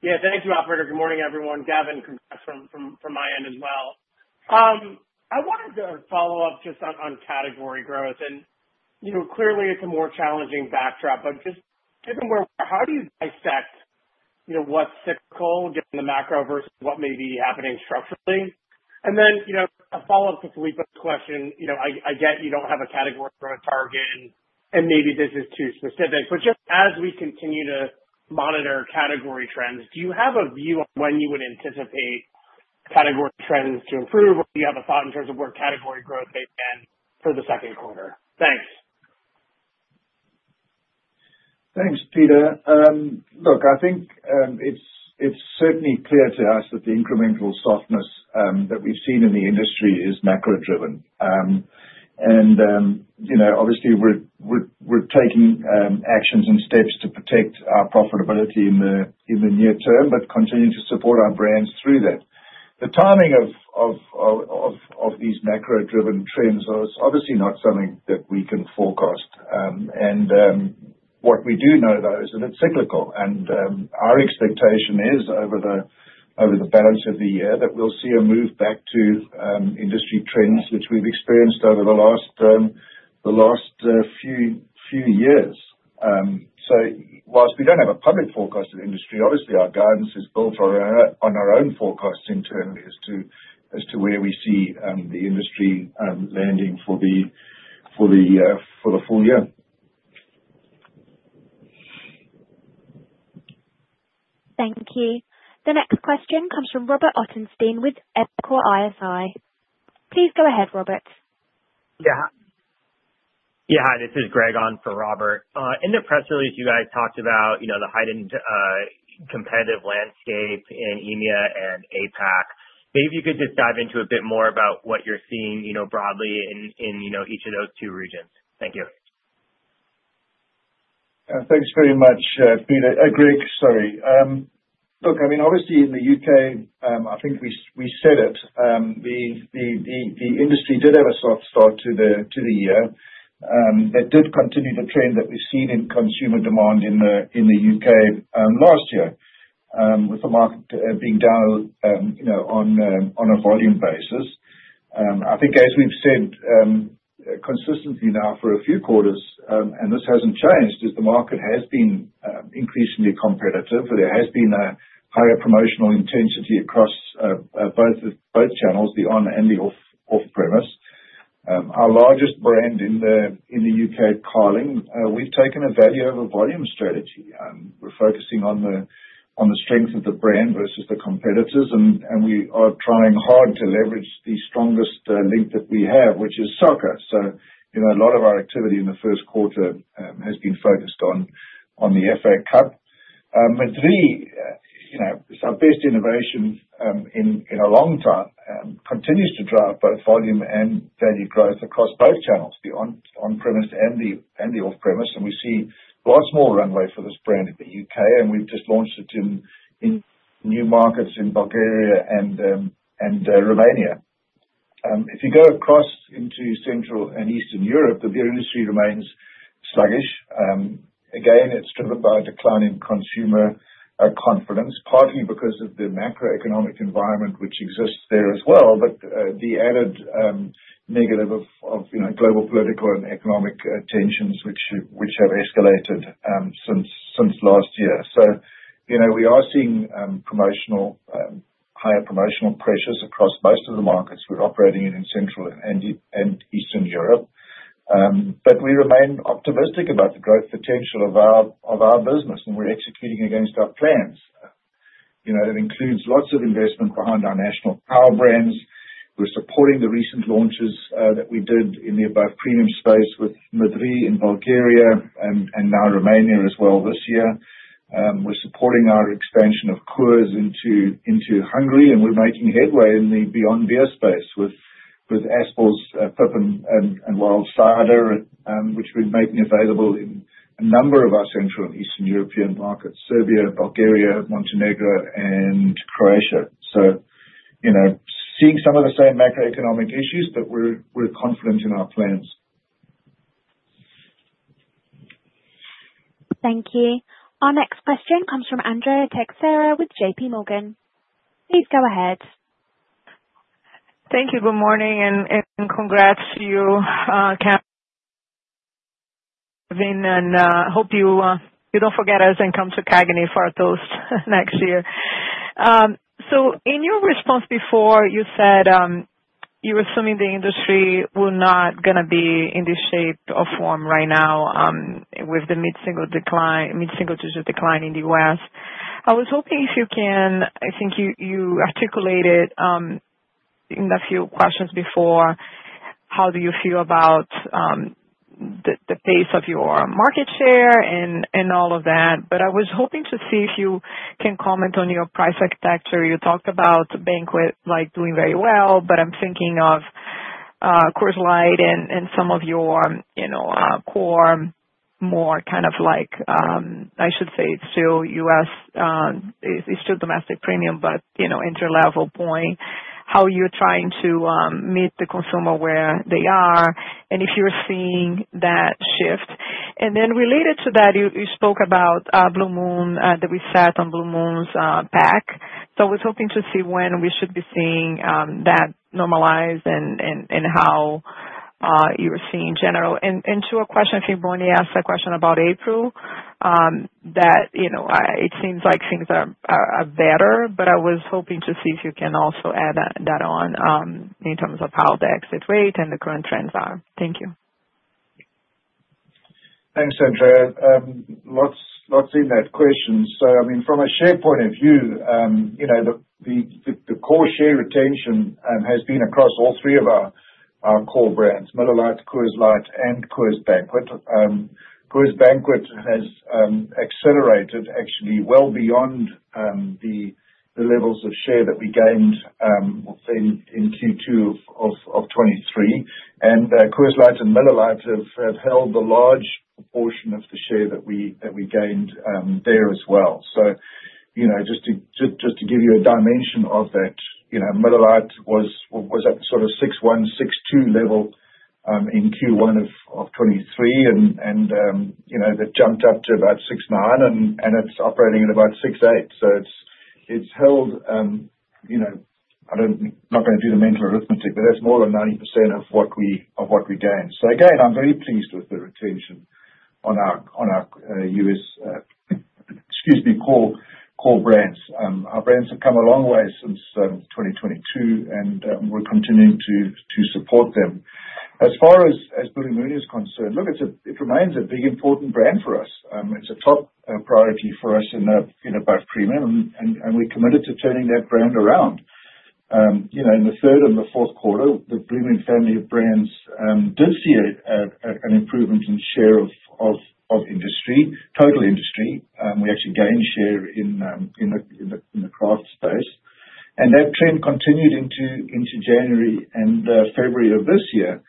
Yeah, thank you, Operator. Good morning, everyone. Gavin, congrats from my end as well. I wanted to follow up just on category growth. And clearly, it's a more challenging backdrop, but just given where we're at, how do you dissect what's cyclical given the macro versus what may be happening structurally? And then a follow-up to Filippo's question, I get you don't have a category growth target, and maybe this is too specific. But just as we continue to monitor category trends, do you have a view on when you would anticipate category trends to improve, or do you have a thought in terms of where category growth may land for the second quarter? Thanks. Thanks, Peter. Look, I think it's certainly clear to us that the incremental softness that we've seen in the industry is macro-driven. And obviously, we're taking actions and steps to protect our profitability in the near term but continue to support our brands through that. The timing of these macro-driven trends is obviously not something that we can forecast. And what we do know, though, is that it's cyclical. Our expectation is over the balance of the year that we'll see a move back to industry trends which we've experienced over the last few years. While we don't have a public forecast of the industry, obviously, our guidance is built on our own forecasts internally as to where we see the industry landing for the full year. Thank you. The next question comes from Robert Ottenstein with Evercore ISI. Please go ahead, Robert. Yeah. Yeah, hi. This is Greg on for Robert. In the press release, you guys talked about the heightened competitive landscape in EMEA and APAC. Maybe if you could just dive into a bit more about what you're seeing broadly in each of those two regions. Thank you. Thanks very much, Peter. Greg, sorry. Look, I mean, obviously, in the U.K., I think we said it, the industry did have a soft start to the year. It did continue the trend that we've seen in consumer demand in the U.K. last year, with the market being down on a volume basis. I think, as we've said, consistently now for a few quarters, and this hasn't changed, is the market has been increasingly competitive, but there has been a higher promotional intensity across both channels, the on-premise and the off-premise. Our largest brand in the U.K., Carling, we've taken a value-over-volume strategy. We're focusing on the strength of the brand versus the competitors, and we are trying hard to leverage the strongest link that we have, which is soccer. So a lot of our activity in the first quarter has been focused on the FA Cup. Madrí Excepcional, our best innovation in a long time, continues to drive both volume and value growth across both channels, the on-premise and the off-premise. We see a lot of runway for this brand in the U.K., and we've just launched it in new markets in Bulgaria and Romania. If you go across into Central and Eastern Europe, the beer industry remains sluggish. Again, it's driven by a declining consumer confidence, partly because of the macroeconomic environment which exists there as well, but the added negative of global political and economic tensions which have escalated since last year. We are seeing higher promotional pressures across most of the markets we're operating in Central and Eastern Europe. We remain optimistic about the growth potential of our business, and we're executing against our plans. It includes lots of investment behind our national power brands. We're supporting the recent launches that we did in the above premium space with Madrí in Bulgaria and now Romania as well this year. We're supporting our expansion of Coors into Hungary, and we're making headway in the beyond beer space with Apple, Pippin and Wild Cider, which we're making available in a number of our Central and Eastern European markets: Serbia, Bulgaria, Montenegro, and Croatia. So seeing some of the same macroeconomic issues, but we're confident in our plans. Thank you. Our next question comes from Andrea Teixeira with JP Morgan. Please go ahead. Thank you. Good morning, and congrats to you, Gavin. And I hope you don't forget us and come to CAGNY for a toast next year. So in your response before, you said you were assuming the industry was not going to be in this shape or form right now with the mid-single digit decline in the U.S. I was hoping if you can, I think you articulated in a few questions before, how do you feel about the pace of your market share and all of that. But I was hoping to see if you can comment on your price architecture. You talked about Banquet doing very well, but I'm thinking of Coors Light and some of your core more kind of like, I should say, still U.S., it's still domestic premium, but entry-level point, how you're trying to meet the consumer where they are and if you're seeing that shift. And then related to that, you spoke about Blue Moon, that we sat on Blue Moon's pack. So I was hoping to see when we should be seeing that normalize and how you're seeing generally. And to a question, I think Bonnie asked a question about April, that it seems like things are better, but I was hoping to see if you can also add that on in terms of how the exit rate and the current trends are. Thank you. Thanks, Andrea. Lots in that question. So I mean, from a share point of view, the core share retention has been across all three of our core brands: Miller Lite, Coors Light, and Coors Banquet. Coors Banquet has accelerated actually well beyond the levels of share that we gained in Q2 of 2023. And Coors Light and Miller Lite have held the large portion of the share that we gained there as well. So just to give you a dimension of that, Miller Lite was at the sort of 6.1, 6.2 level in Q1 of 2023, and it jumped up to about 6.9, and it's operating at about 6.8. So it's held, I'm not going to do the mental arithmetic, but that's more than 90% of what we gained. So again, I'm very pleased with the retention on our U.S., excuse me, core brands. Our brands have come a long way since 2022, and we're continuing to support them. As far as Blue Moon is concerned, look, it remains a big important brand for us. It's a top priority for us in Above Premium, and we're committed to turning that brand around. In the third and the fourth quarter, the Blue Moon family of brands did see an improvement in share of industry, total industry. We actually gained share in the craft space. That trend continued into January and February of this year.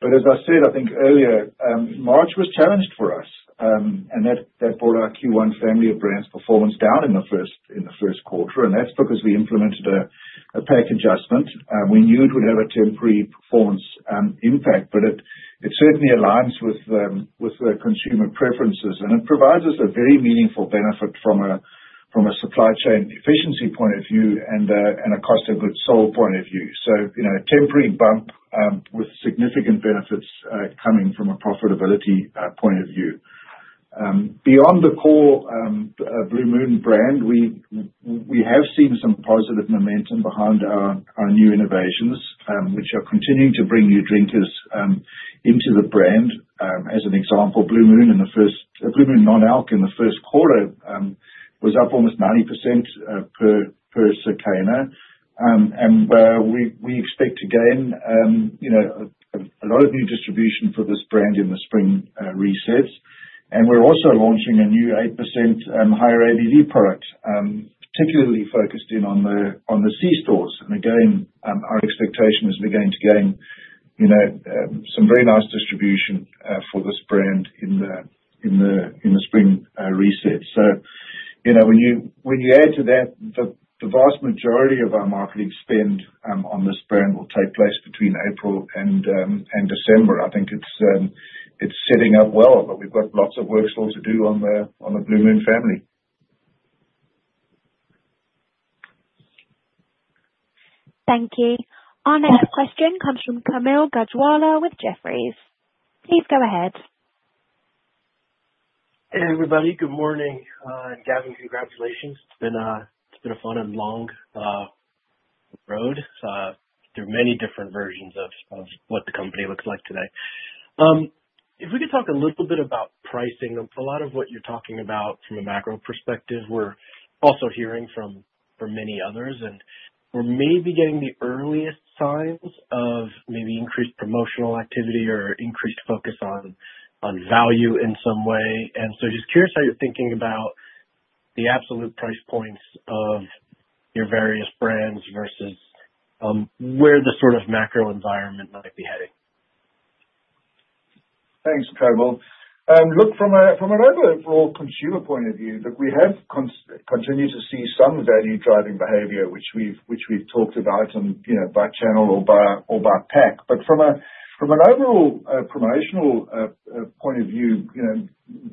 As I said, I think earlier, March was challenged for us, and that brought our Q1 family of brands performance down in the first quarter. That's because we implemented a pack adjustment. We knew it would have a temporary performance impact, but it certainly aligns with consumer preferences, and it provides us a very meaningful benefit from a supply chain efficiency point of view and a cost of goods sold point of view. A temporary bump with significant benefits coming from a profitability point of view. Beyond the core Blue Moon brand, we have seen some positive momentum behind our new innovations, which are continuing to bring new drinkers into the brand. As an example, Blue Moon Non-Alcoholic in the first quarter was up almost 90% per Circana. We expect to gain a lot of new distribution for this brand in the spring resets. We're also launching a new 8% higher ABV product, particularly focused in on the C-stores. Again, our expectation is we're going to gain some very nice distribution for this brand in the spring resets. So when you add to that, the vast majority of our marketing spend on this brand will take place between April and December. I think it's setting up well, but we've got lots of work still to do on the Blue Moon family. Thank you. Our next question comes from Kaumil Gajrawala with Jefferies. Please go ahead. Hey, everybody. Good morning. Gavin, congratulations. It's been a fun and long road through many different versions of what the company looks like today. If we could talk a little bit about pricing. A lot of what you're talking about from a macro perspective, we're also hearing from many others. And we're maybe getting the earliest signs of maybe increased promotional activity or increased focus on value in some way. And so just curious how you're thinking about the absolute price points of your various brands versus where the sort of macro environment might be heading. Thanks, Kaumil. Look, from an overall consumer point of view, look, we have continued to see some value-driving behavior, which we've talked about by channel or by pack. But from an overall promotional point of view,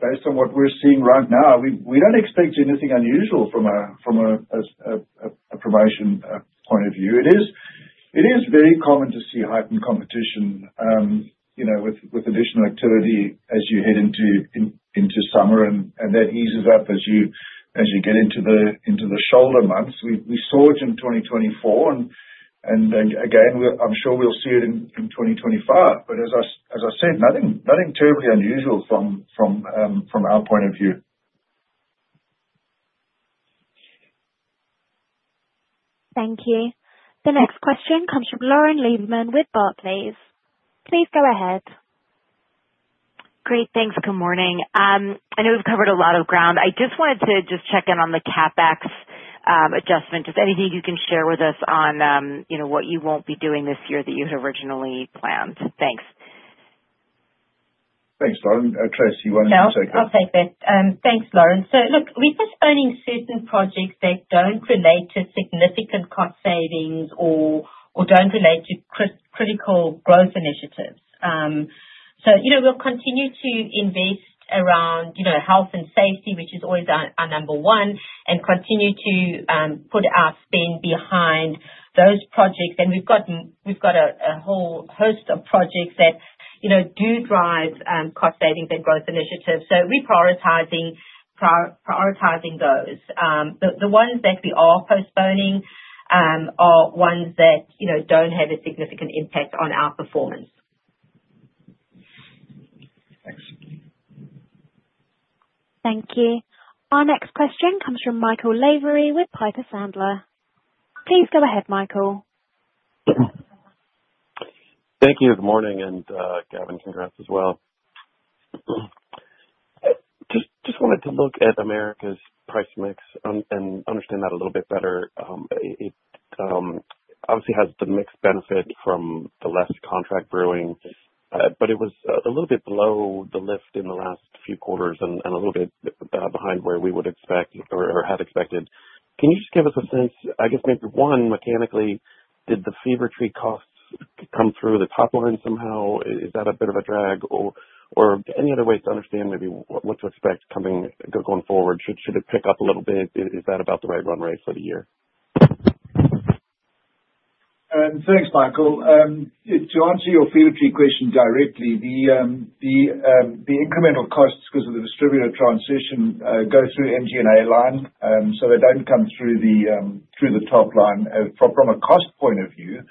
based on what we're seeing right now, we don't expect anything unusual from a promotion point of view. It is very common to see heightened competition with additional activity as you head into summer, and that eases up as you get into the shoulder months. We saw it in 2024, and again, I'm sure we'll see it in 2025. But as I said, nothing terribly unusual from our point of view. Thank you. The next question comes from Lauren Lieberman with Barclays. Please go ahead. Great. Thanks. Good morning. I know we've covered a lot of ground. I just wanted to just check in on the CapEx adjustment. Just anything you can share with us on what you won't be doing this year that you had originally planned. Thanks. Thanks, Lauren. Tracey, you wanted to take that. No, I'll take it. Thanks, Lauren. So look, we're postponing certain projects that don't relate to significant cost savings or don't relate to critical growth initiatives. So we'll continue to invest around health and safety, which is always our number one, and continue to put our spend behind those projects. We've got a whole host of projects that do drive cost savings and growth initiatives. So we're prioritizing those. The ones that we are postponing are ones that don't have a significant impact on our performance. Thanks. Thank you. Our next question comes from Michael Lavery with Piper Sandler. Please go ahead, Michael. Thank you. Good morning. Gavin, congrats as well. Just wanted to look at America's price mix and understand that a little bit better. It obviously has the mixed benefit from the less contract brewing, but it was a little bit below the lift in the last few quarters and a little bit behind where we would expect or had expected. Can you just give us a sense? I guess maybe one, mechanically, did the Fever-Tree costs come through the top line somehow? Is that a bit of a drag? Or any other ways to understand maybe what to expect going forward? Should it pick up a little bit? Is that about the right run rate for the year? Thanks, Michael. To answer your Fever-Tree question directly, the incremental costs because of the distributor transition go through MG&A line. So they don't come through the top line from a cost point of view.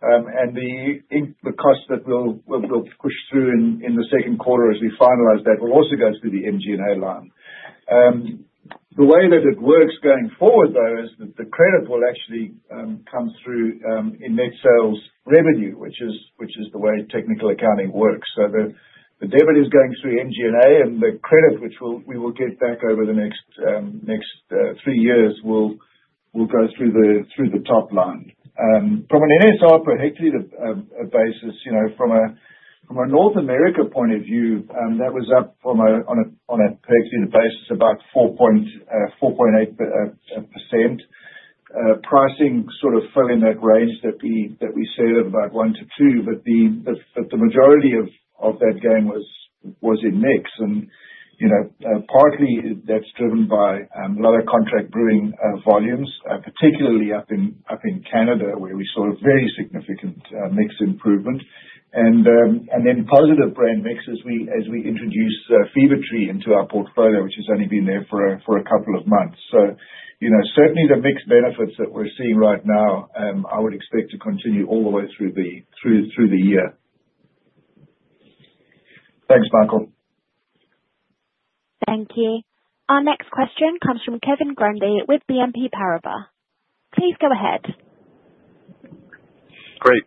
And the costs that we'll push through in the second quarter as we finalize that will also go through the MG&A line. The way that it works going forward, though, is that the credit will actually come through in net sales revenue, which is the way technical accounting works. So the debit is going through MG&A, and the credit, which we will get back over the next three years, will go through the top line. From an NSR per hectoliter basis, from a North America point of view, that was up on a per hectoliter basis about 4.8%. Pricing sort of fell in that range that we said of about 1%-2%, but the majority of that gain was in mix. And partly, that's driven by a lot of contract brewing volumes, particularly up in Canada, where we saw a very significant mix improvement. And then positive brand mix as we introduce Fever-Tree into our portfolio, which has only been there for a couple of months. So certainly, the mixed benefits that we're seeing right now, I would expect to continue all the way through the year. Thanks, Michael. Thank you. Our next question comes from Kevin Grundy with BNP Paribas. Please go ahead. Great.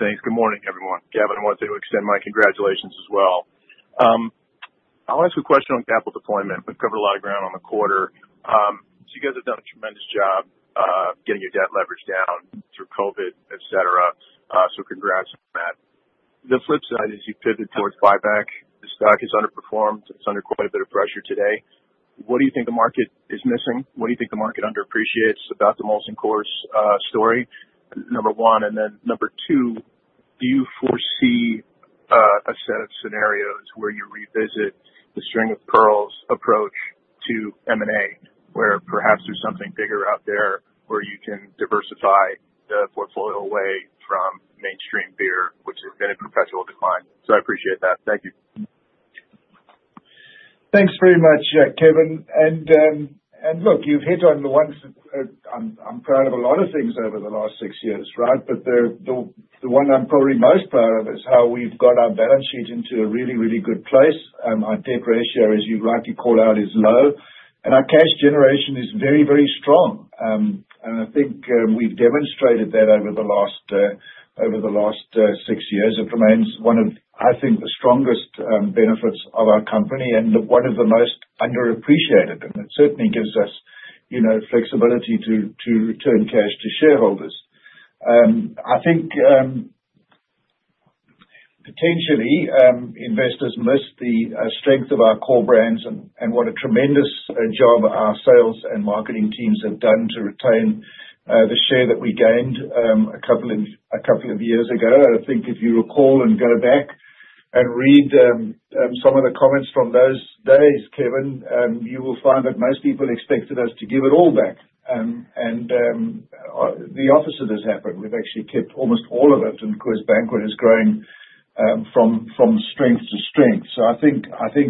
Thanks. Good morning, everyone. Gavin, I wanted to extend my congratulations as well. I'll ask a question on capital deployment. We've covered a lot of ground on the quarter. So you guys have done a tremendous job getting your debt leverage down through COVID, etc. So congrats on that. The flip side is you pivot towards buyback. The stock has underperformed. It's under quite a bit of pressure today. What do you think the market is missing? What do you think the market underappreciates about the Molson Coors story, number one? And then number two, do you foresee a set of scenarios where you revisit the string of pearls approach to M&A, where perhaps there's something bigger out there where you can diversify the portfolio away from mainstream beer, which has been in perpetual decline? So I appreciate that. Thank you. Thanks very much, Kevin. And look, you've hit on the ones I'm proud of a lot of things over the last six years, right? But the one I'm probably most proud of is how we've got our balance sheet into a really, really good place. Our debt ratio, as you rightly call out, is low. And our cash generation is very, very strong. And I think we've demonstrated that over the last six years. It remains one of, I think, the strongest benefits of our company and one of the most underappreciated. And it certainly gives us flexibility to return cash to shareholders. I think potentially investors miss the strength of our core brands and what a tremendous job our sales and marketing teams have done to retain the share that we gained a couple of years ago. I think if you recall and go back and read some of the comments from those days, Kevin, you will find that most people expected us to give it all back, and the opposite has happened. We've actually kept almost all of it, and Coors Banquet is growing from strength to strength, so I think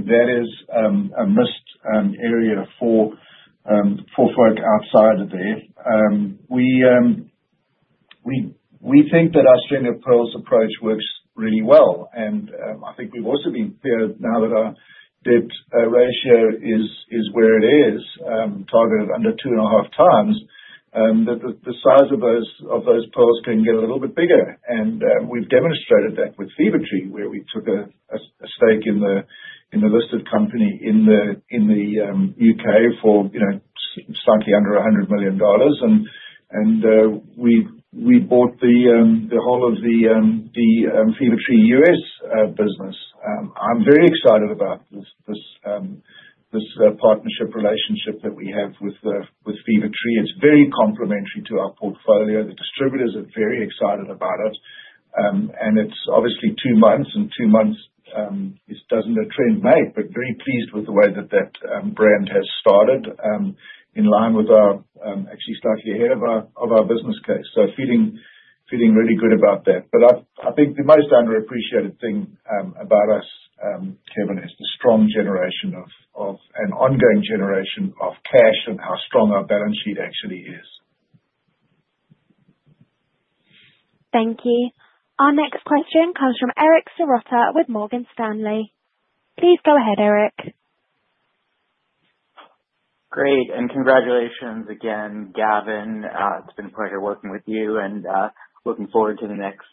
that is a missed area for folk outside of there. We think that our string of pearls approach works really well, and I think we've also been clear now that our debt ratio is where it is, targeted under two and a half times, that the size of those pearls can get a little bit bigger. And we've demonstrated that with Fever-Tree, where we took a stake in the listed company in the U.K. for slightly under $100 million, and we bought the whole of the Fever-Tree U.S. business. I'm very excited about this partnership relationship that we have with Fever-Tree. It's very complementary to our portfolio. The distributors are very excited about it. And it's obviously two months, and two months, it doesn't a trend make, but very pleased with the way that that brand has started in line with our actually slightly ahead of our business case. So feeling really good about that. But I think the most underappreciated thing about us, Kevin, is the strong generation of an ongoing generation of cash and how strong our balance sheet actually is. Thank you. Our next question comes from Eric Serotta with Morgan Stanley. Please go ahead, Eric. Great. And congratulations again, Gavin. It's been a pleasure working with you and looking forward to the next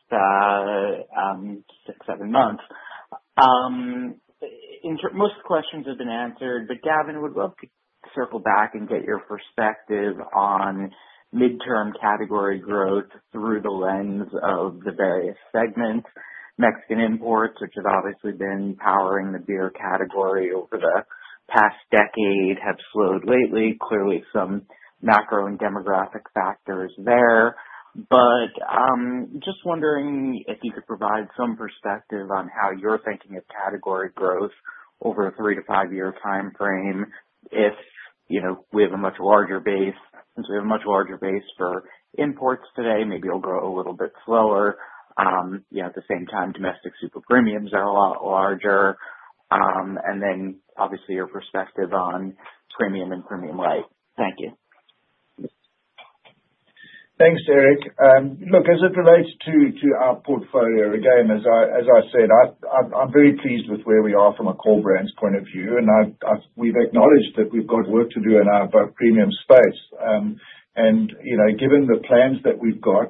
six, seven months. Most questions have been answered, but Gavin would love to circle back and get your perspective on mid-term category growth through the lens of the various segments. Mexican imports, which have obviously been powering the beer category over the past decade, have slowed lately. Clearly, some macro and demographic factors there. But just wondering if you could provide some perspective on how you're thinking of category growth over a three- to five-year time frame. If we have a much larger base, since we have a much larger base for imports today, maybe it'll grow a little bit slower. At the same time, domestic super premiums are a lot larger. And then obviously your perspective on premium and premium rate. Thank you. Thanks, Eric. Look, as it relates to our portfolio, again, as I said, I'm very pleased with where we are from a core brand's point of view. We've acknowledged that we've got work to do in our premium space. Given the plans that we've got,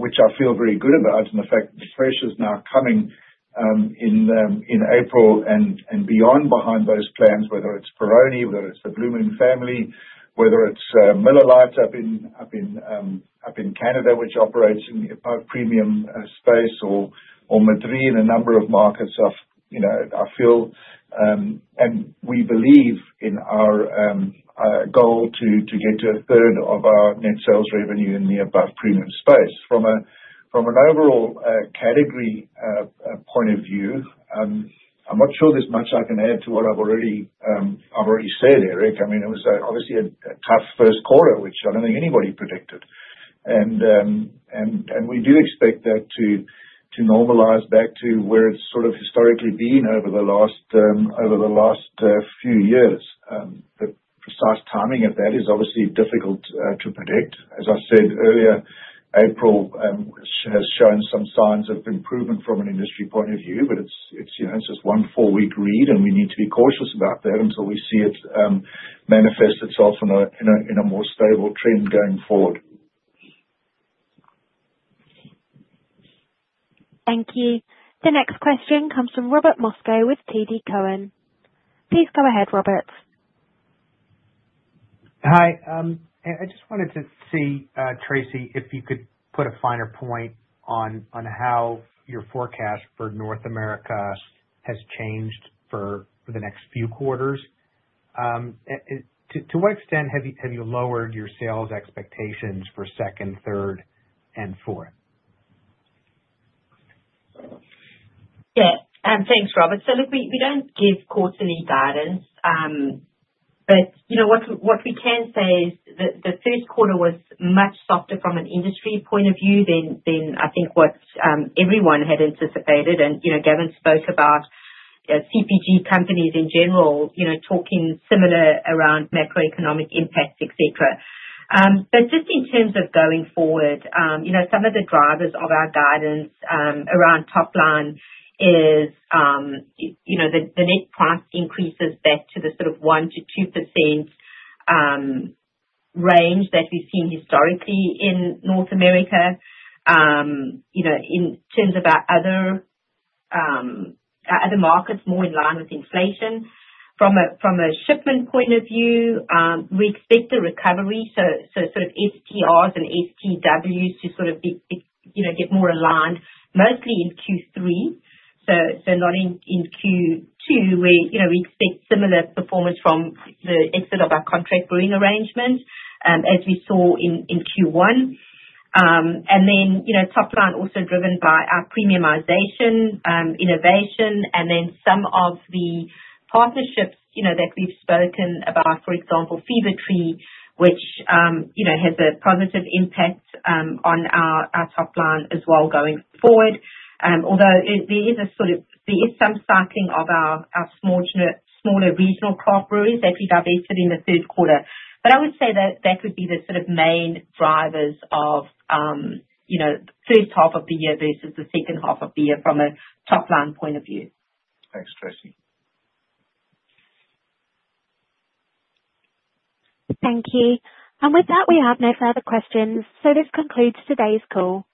which I feel very good about, and the fact that the fresh is now coming in April and beyond behind those plans, whether it's Peroni, whether it's the Blue Moon family, whether it's Miller Lite up in Canada, which operates in the above premium space, or Madrí in a number of markets. I feel, and we believe in our goal to get to a third of our net sales revenue in the above premium space. From an overall category point of view, I'm not sure there's much I can add to what I've already said, Eric. I mean, it was obviously a tough first quarter, which I don't think anybody predicted. And we do expect that to normalize back to where it's sort of historically been over the last few years. The precise timing of that is obviously difficult to predict. As I said earlier, April has shown some signs of improvement from an industry point of view, but it's just one four-week read, and we need to be cautious about that until we see it manifest itself in a more stable trend going forward. Thank you. The next question comes from Robert Moskow with TD Cowen. Please go ahead, Robert. Hi. I just wanted to see, Tracey, if you could put a finer point on how your forecast for North America has changed for the next few quarters. To what extent have you lowered your sales expectations for second, third, and fourth? Yeah. Thanks, Robert. So look, we don't give quarterly guidance, but what we can say is the first quarter was much softer from an industry point of view than I think what everyone had anticipated. And Gavin spoke about CPG companies in general talking similar around macroeconomic impacts, etc. But just in terms of going forward, some of the drivers of our guidance around top line is the net price increases back to the sort of 1%-2% range that we've seen historically in North America. In terms of our other markets, more in line with inflation. From a shipment point of view, we expect a recovery. So sort of STRs and STWs to sort of get more aligned, mostly in Q3, so not in Q2, where we expect similar performance from the exit of our contract brewing arrangement as we saw in Q1. And then top line also driven by our premiumization, innovation, and then some of the partnerships that we've spoken about, for example, Fever-Tree, which has a positive impact on our top line as well going forward. Although there is sort of some cycling of our smaller regional craft breweries that we divested in the third quarter. But I would say that would be the sort of main drivers of first half of the year versus the second half of the year from a top line point of view. Thanks, Tracey. Thank you. And with that, we have no further questions. So this concludes today's call.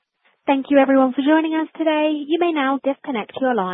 Thank you, everyone, for joining us today. You may now disconnect your line.